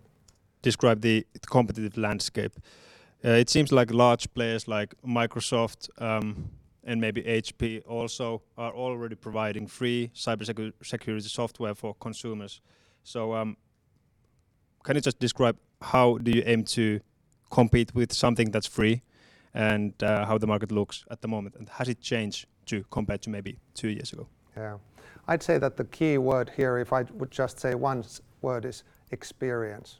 describe the competitive landscape? It seems like large players like Microsoft and maybe HP also are already providing free cybersecurity software for consumers. Can you just describe how do you aim to compete with something that's free and how the market looks at the moment, and has it changed, too, compared to maybe two years ago? Yeah. I'd say that the key word here, if I would just say one word, is experience.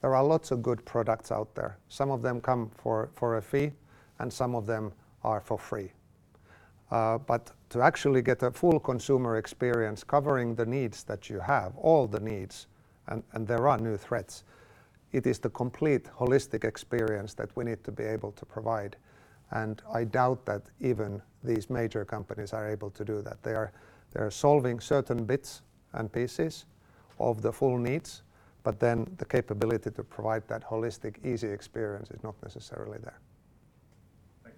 There are lots of good products out there. Some of them come for a fee, and some of them are for free. To actually get a full consumer experience covering the needs that you have, all the needs, and there are new threats, it is the complete holistic experience that we need to be able to provide. I doubt that even these major companies are able to do that. They are solving certain bits and pieces of the full needs, but then the capability to provide that holistic easy experience is not necessarily there. Thank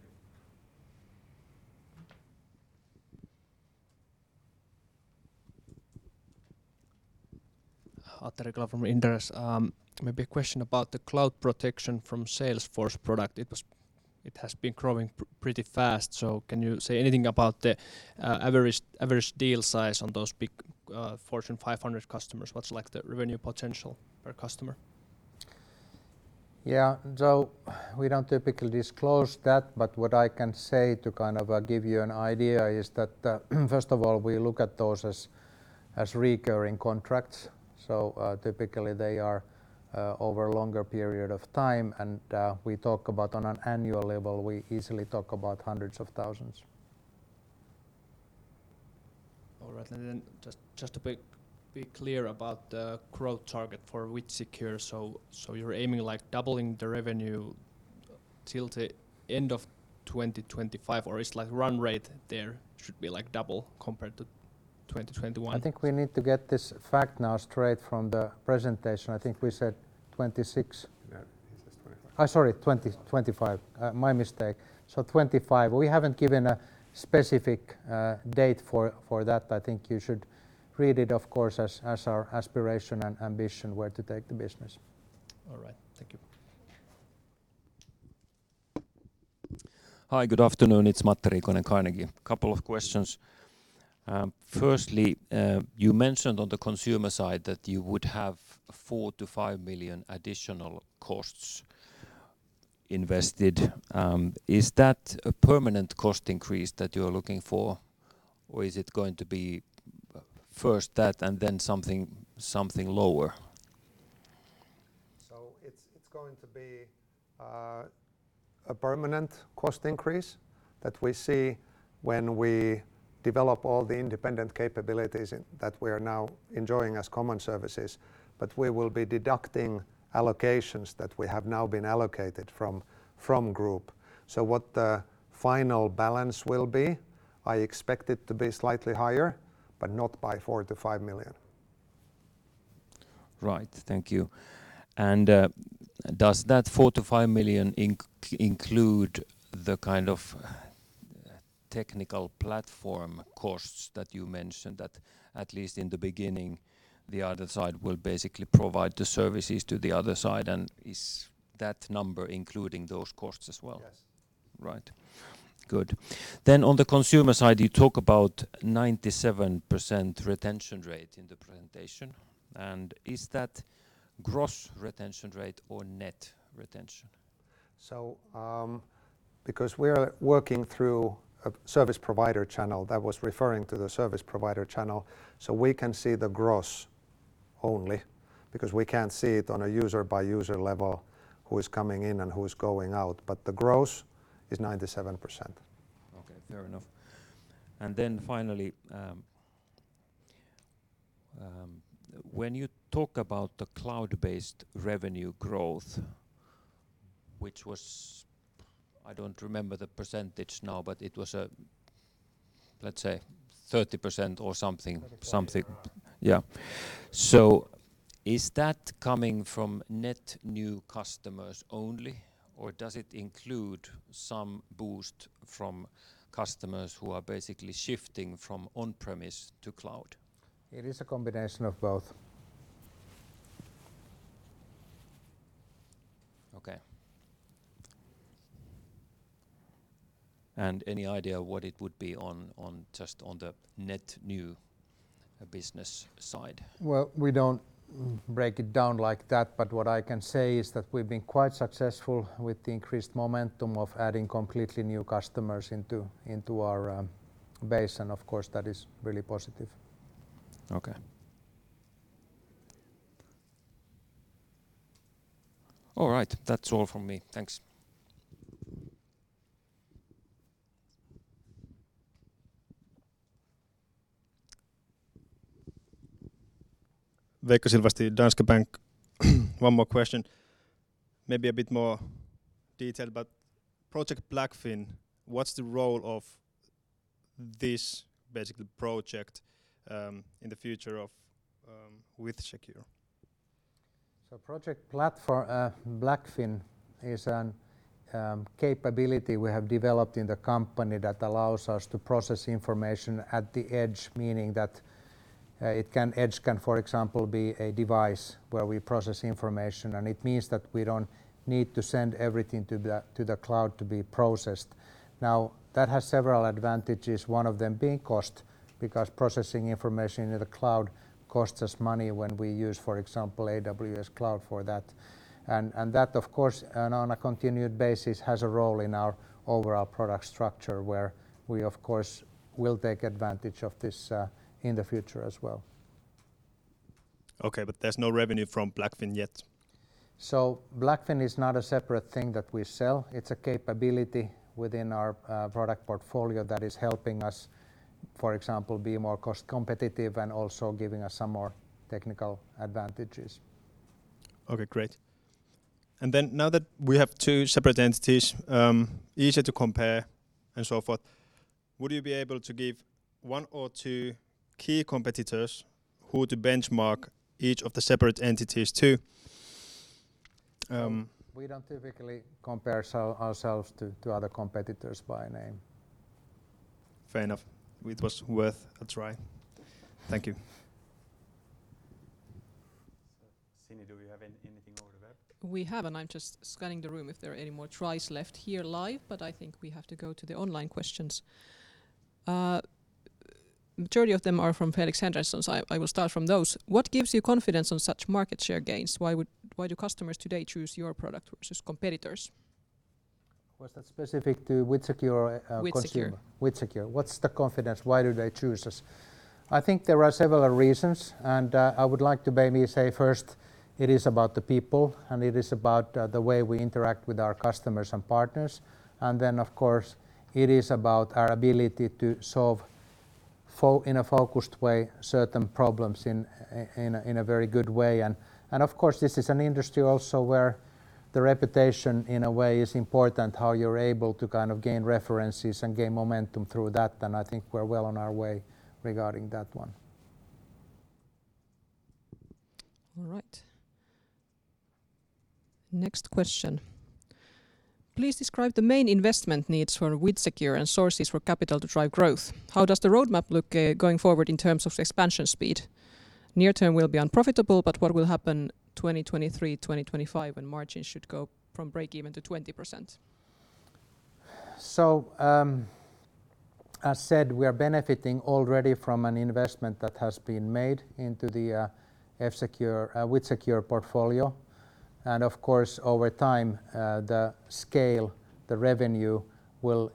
you. Atte Riikola from Inderes. Maybe a question about the Cloud Protection for Salesforce product. It has been growing pretty fast, so can you say anything about the average deal size on those big Fortune 500 customers? What's, like, the revenue potential per customer? We don't typically disclose that, but what I can say to kind of give you an idea is that first of all, we look at those as recurring contracts. Typically they are over a longer period of time and, on an annual level, we easily talk about hundreds of thousands. All right. Just to be clear about the growth target for WithSecure. You're aiming like doubling the revenue till the end of 2025 or is like run rate there should be like double compared to 2021? I think we need to get this fact now straight from the presentation. I think we said 26. No, it says 25. Sorry, 2025. My mistake. 25. We haven't given a specific date for that. I think you should read it, of course, as our aspiration and ambition where to take the business. All right. Thank you. Hi, good afternoon. It's Matti Riikonen, Carnegie. Couple of questions. Firstly, you mentioned on the consumer side that you would have 4 million-5 million additional costs invested. Is that a permanent cost increase that you're looking for, or is it going to be first that and then something lower? It's going to be a permanent cost increase that we see when we develop all the independent capabilities that we are now enjoying as common services. We will be deducting allocations that we have now been allocated from Group. What the final balance will be. I expect it to be slightly higher, but not by 4 million-5 million. Right. Thank you. Does that 4 million-5 million include the kind of technical platform costs that you mentioned, that at least in the beginning, the other side will basically provide the services to the other side, and is that number including those costs as well? Yes. Right. Good. On the consumer side, you talk about 97% retention rate in the presentation, and is that gross retention rate or net retention? Because we're working through a service provider channel, that was referring to the service provider channel, so we can see the gross only because we can't see it on a user-by-user level who is coming in and who is going out. The gross is 97%. Okay. Fair enough. Finally, when you talk about the cloud-based revenue growth, which was, I don't remember the percentage now, but it was, let's say 30% or something. Something, yeah. Is that coming from net new customers only, or does it include some boost from customers who are basically shifting from on-premise to cloud? It is a combination of both. Okay. Any idea what it would be on just on the net new business side? Well, we don't break it down like that, but what I can say is that we've been quite successful with the increased momentum of adding completely new customers into our base, and of course, that is really positive. Okay. All right. That's all from me. Thanks. Veikko Silvasti, Danske Bank. One more question, maybe a bit more detailed, but Project Blackfin, what's the role of this basically project in the future of WithSecure? Project Blackfin is a capability we have developed in the company that allows us to process information at the edge, meaning that edge can, for example, be a device where we process information, and it means that we don't need to send everything to the cloud to be processed. Now, that has several advantages, one of them being cost, because processing information in the cloud costs us money when we use, for example, AWS Cloud for that. And that of course, on a continued basis, has a role in our overall product structure, where we of course will take advantage of this in the future as well. Okay, there's no revenue from Blackfin yet? Blackfin is not a separate thing that we sell. It's a capability within our product portfolio that is helping us, for example, be more cost competitive and also giving us some more technical advantages. Okay. Great. Now that we have two separate entities, easier to compare and so forth, would you be able to give one or two key competitors who to benchmark each of the separate entities to? We don't typically compare ourselves to other competitors by name. Fair enough. It was worth a try. Thank you. Sini, do we have anything over there? We have. I'm just scanning the room if there are any more tries left here live, but I think we have to go to the online questions. Majority of them are from Felix Andersson, so I will start from those. What gives you confidence on such market share gains? Why do customers today choose your product versus competitors? Was that specific to WithSecure or F-Secure? WithSecure. WithSecure. What's the confidence? Why do they choose us? I think there are several reasons, and I would like to maybe say first it is about the people, and it is about the way we interact with our customers and partners. Then of course, it is about our ability to solve in a focused way certain problems in a very good way. Of course, this is an industry also where the reputation, in a way, is important, how you're able to kind of gain references and gain momentum through that, and I think we're well on our way regarding that one. All right. Next question. Please describe the main investment needs for WithSecure and sources for capital to drive growth. How does the roadmap look, going forward in terms of expansion speed? Near term will be unprofitable, but what will happen 2023, 2025 when margins should go from break even to 20%? As said, we are benefiting already from an investment that has been made into the F-Secure, WithSecure portfolio. Of course, over time, the scale, the revenue will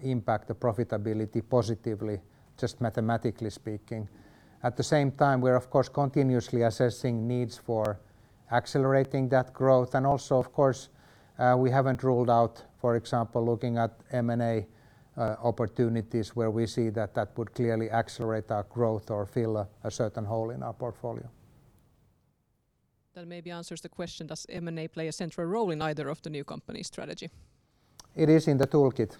impact the profitability positively, just mathematically speaking. At the same time, we're of course continuously assessing needs for accelerating that growth. Also, of course, we haven't ruled out, for example, looking at M&A opportunities where we see that that would clearly accelerate our growth or fill a certain hole in our portfolio. That maybe answers the question, does M&A play a central role in either of the new company's strategy? It is in the toolkit.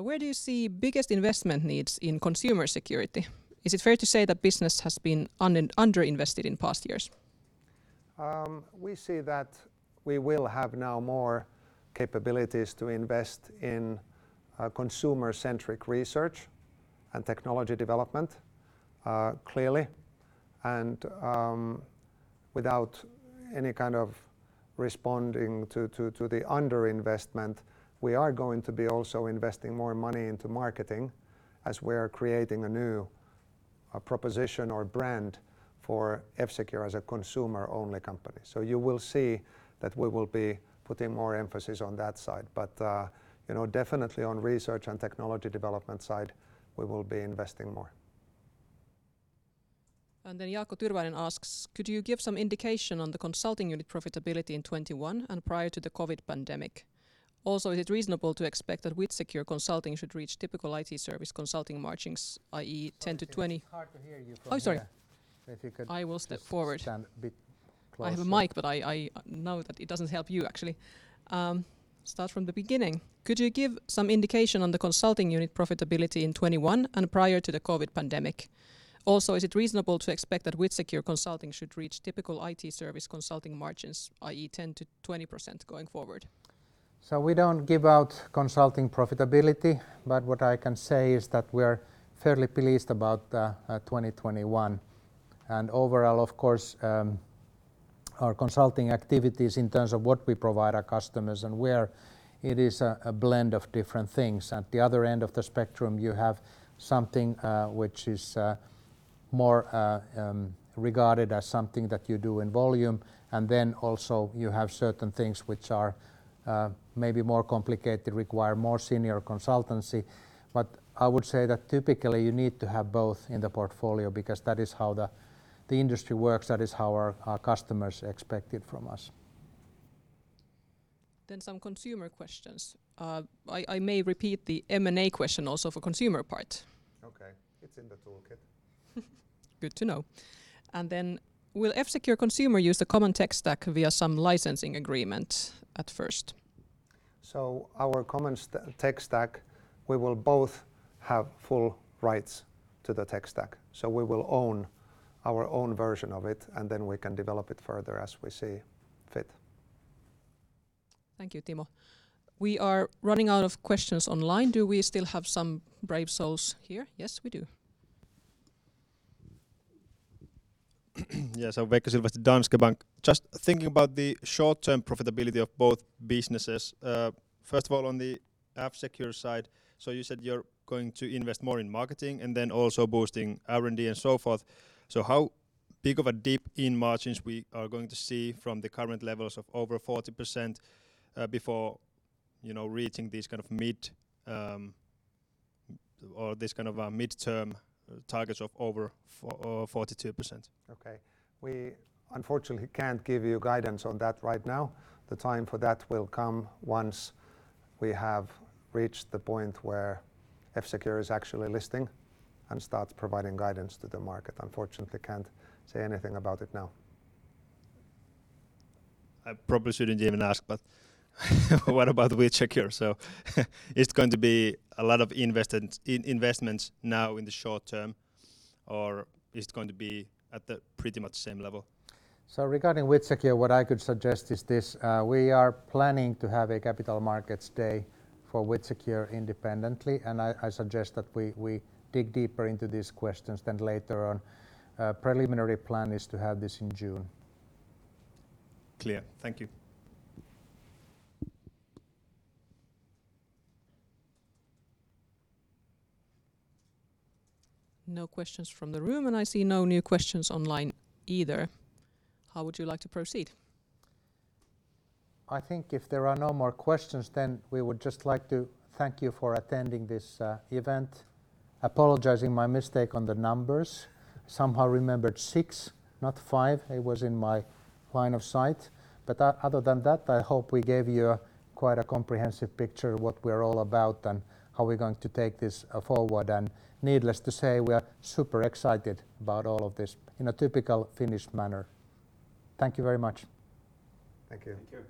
Where do you see biggest investment needs in consumer security? Is it fair to say that business has been under-invested in past years? We see that we will have now more capabilities to invest in consumer-centric research and technology development, clearly. Without any kind of responding to the under-investment, we are going to be also investing more money into marketing as we're creating a new proposition or brand for F-Secure as a consumer-only company. You will see that we will be putting more emphasis on that side. You know, definitely on research and technology development side, we will be investing more. Then Jaakko Tyrväinen asks, "Could you give some indication on the consulting unit profitability in 2021 and prior to the COVID pandemic? Also, is it reasonable to expect that WithSecure consulting should reach typical IT service consulting margins, i.e., 10%-20%. Sorry, it's hard to hear you from here. Oh, sorry. So if you could. I will step forward. Just stand a bit closer. I have a mic, but I know that it doesn't help you, actually. Start from the beginning. Could you give some indication on the consulting unit profitability in 2021 and prior to the COVID pandemic? Also, is it reasonable to expect that WithSecure consulting should reach typical IT service consulting margins, i.e., 10%-20% going forward? We don't give out consulting profitability, but what I can say is that we're fairly pleased about 2021. Overall, of course, our consulting activities in terms of what we provide our customers and where it is a blend of different things. At the other end of the spectrum, you have something which is more regarded as something that you do in volume. Then also you have certain things which are maybe more complicated, require more senior consultancy. I would say that typically you need to have both in the portfolio because that is how the industry works, that is how our customers expect it from us. Some consumer questions. I may repeat the M&A question also for consumer part. Okay. It's in the toolkit. Good to know. Will F-Secure Consumer use the common tech stack via some licensing agreement at first? Our common tech stack, we will both have full rights to the tech stack. We will own our own version of it, and then we can develop it further as we see fit. Thank you, Timo. We are running out of questions online. Do we still have some brave souls here? Yes, we do. Yes, I'm Veikko Silvasti, Danske Bank. Just thinking about the short-term profitability of both businesses. First of all, on the F-Secure side, you said you're going to invest more in marketing and then also boosting R&D and so forth. How big of a dip in margins we are going to see from the current levels of over 40%, before, you know, reaching this kind of midterm targets of over 42%? Okay. We unfortunately can't give you guidance on that right now. The time for that will come once we have reached the point where F-Secure is actually listing and starts providing guidance to the market. Unfortunately, can't say anything about it now. I probably shouldn't even ask, but what about WithSecure? Is it going to be a lot of investments now in the short term, or is it going to be at the pretty much same level? Regarding WithSecure, what I could suggest is this, we are planning to have a capital markets day for WithSecure independently, and I suggest that we dig deeper into these questions then later on. Preliminary plan is to have this in June. Clear. Thank you. No questions from the room, and I see no new questions online either. How would you like to proceed? I think if there are no more questions, then we would just like to thank you for attending this event. Apologizing for my mistake on the numbers. Somehow remembered six, not five. It was in my line of sight. But other than that, I hope we gave you quite a comprehensive picture of what we're all about and how we're going to take this forward. Needless to say, we are super excited about all of this in a typical Finnish manner. Thank you very much. Thank you. Thank you.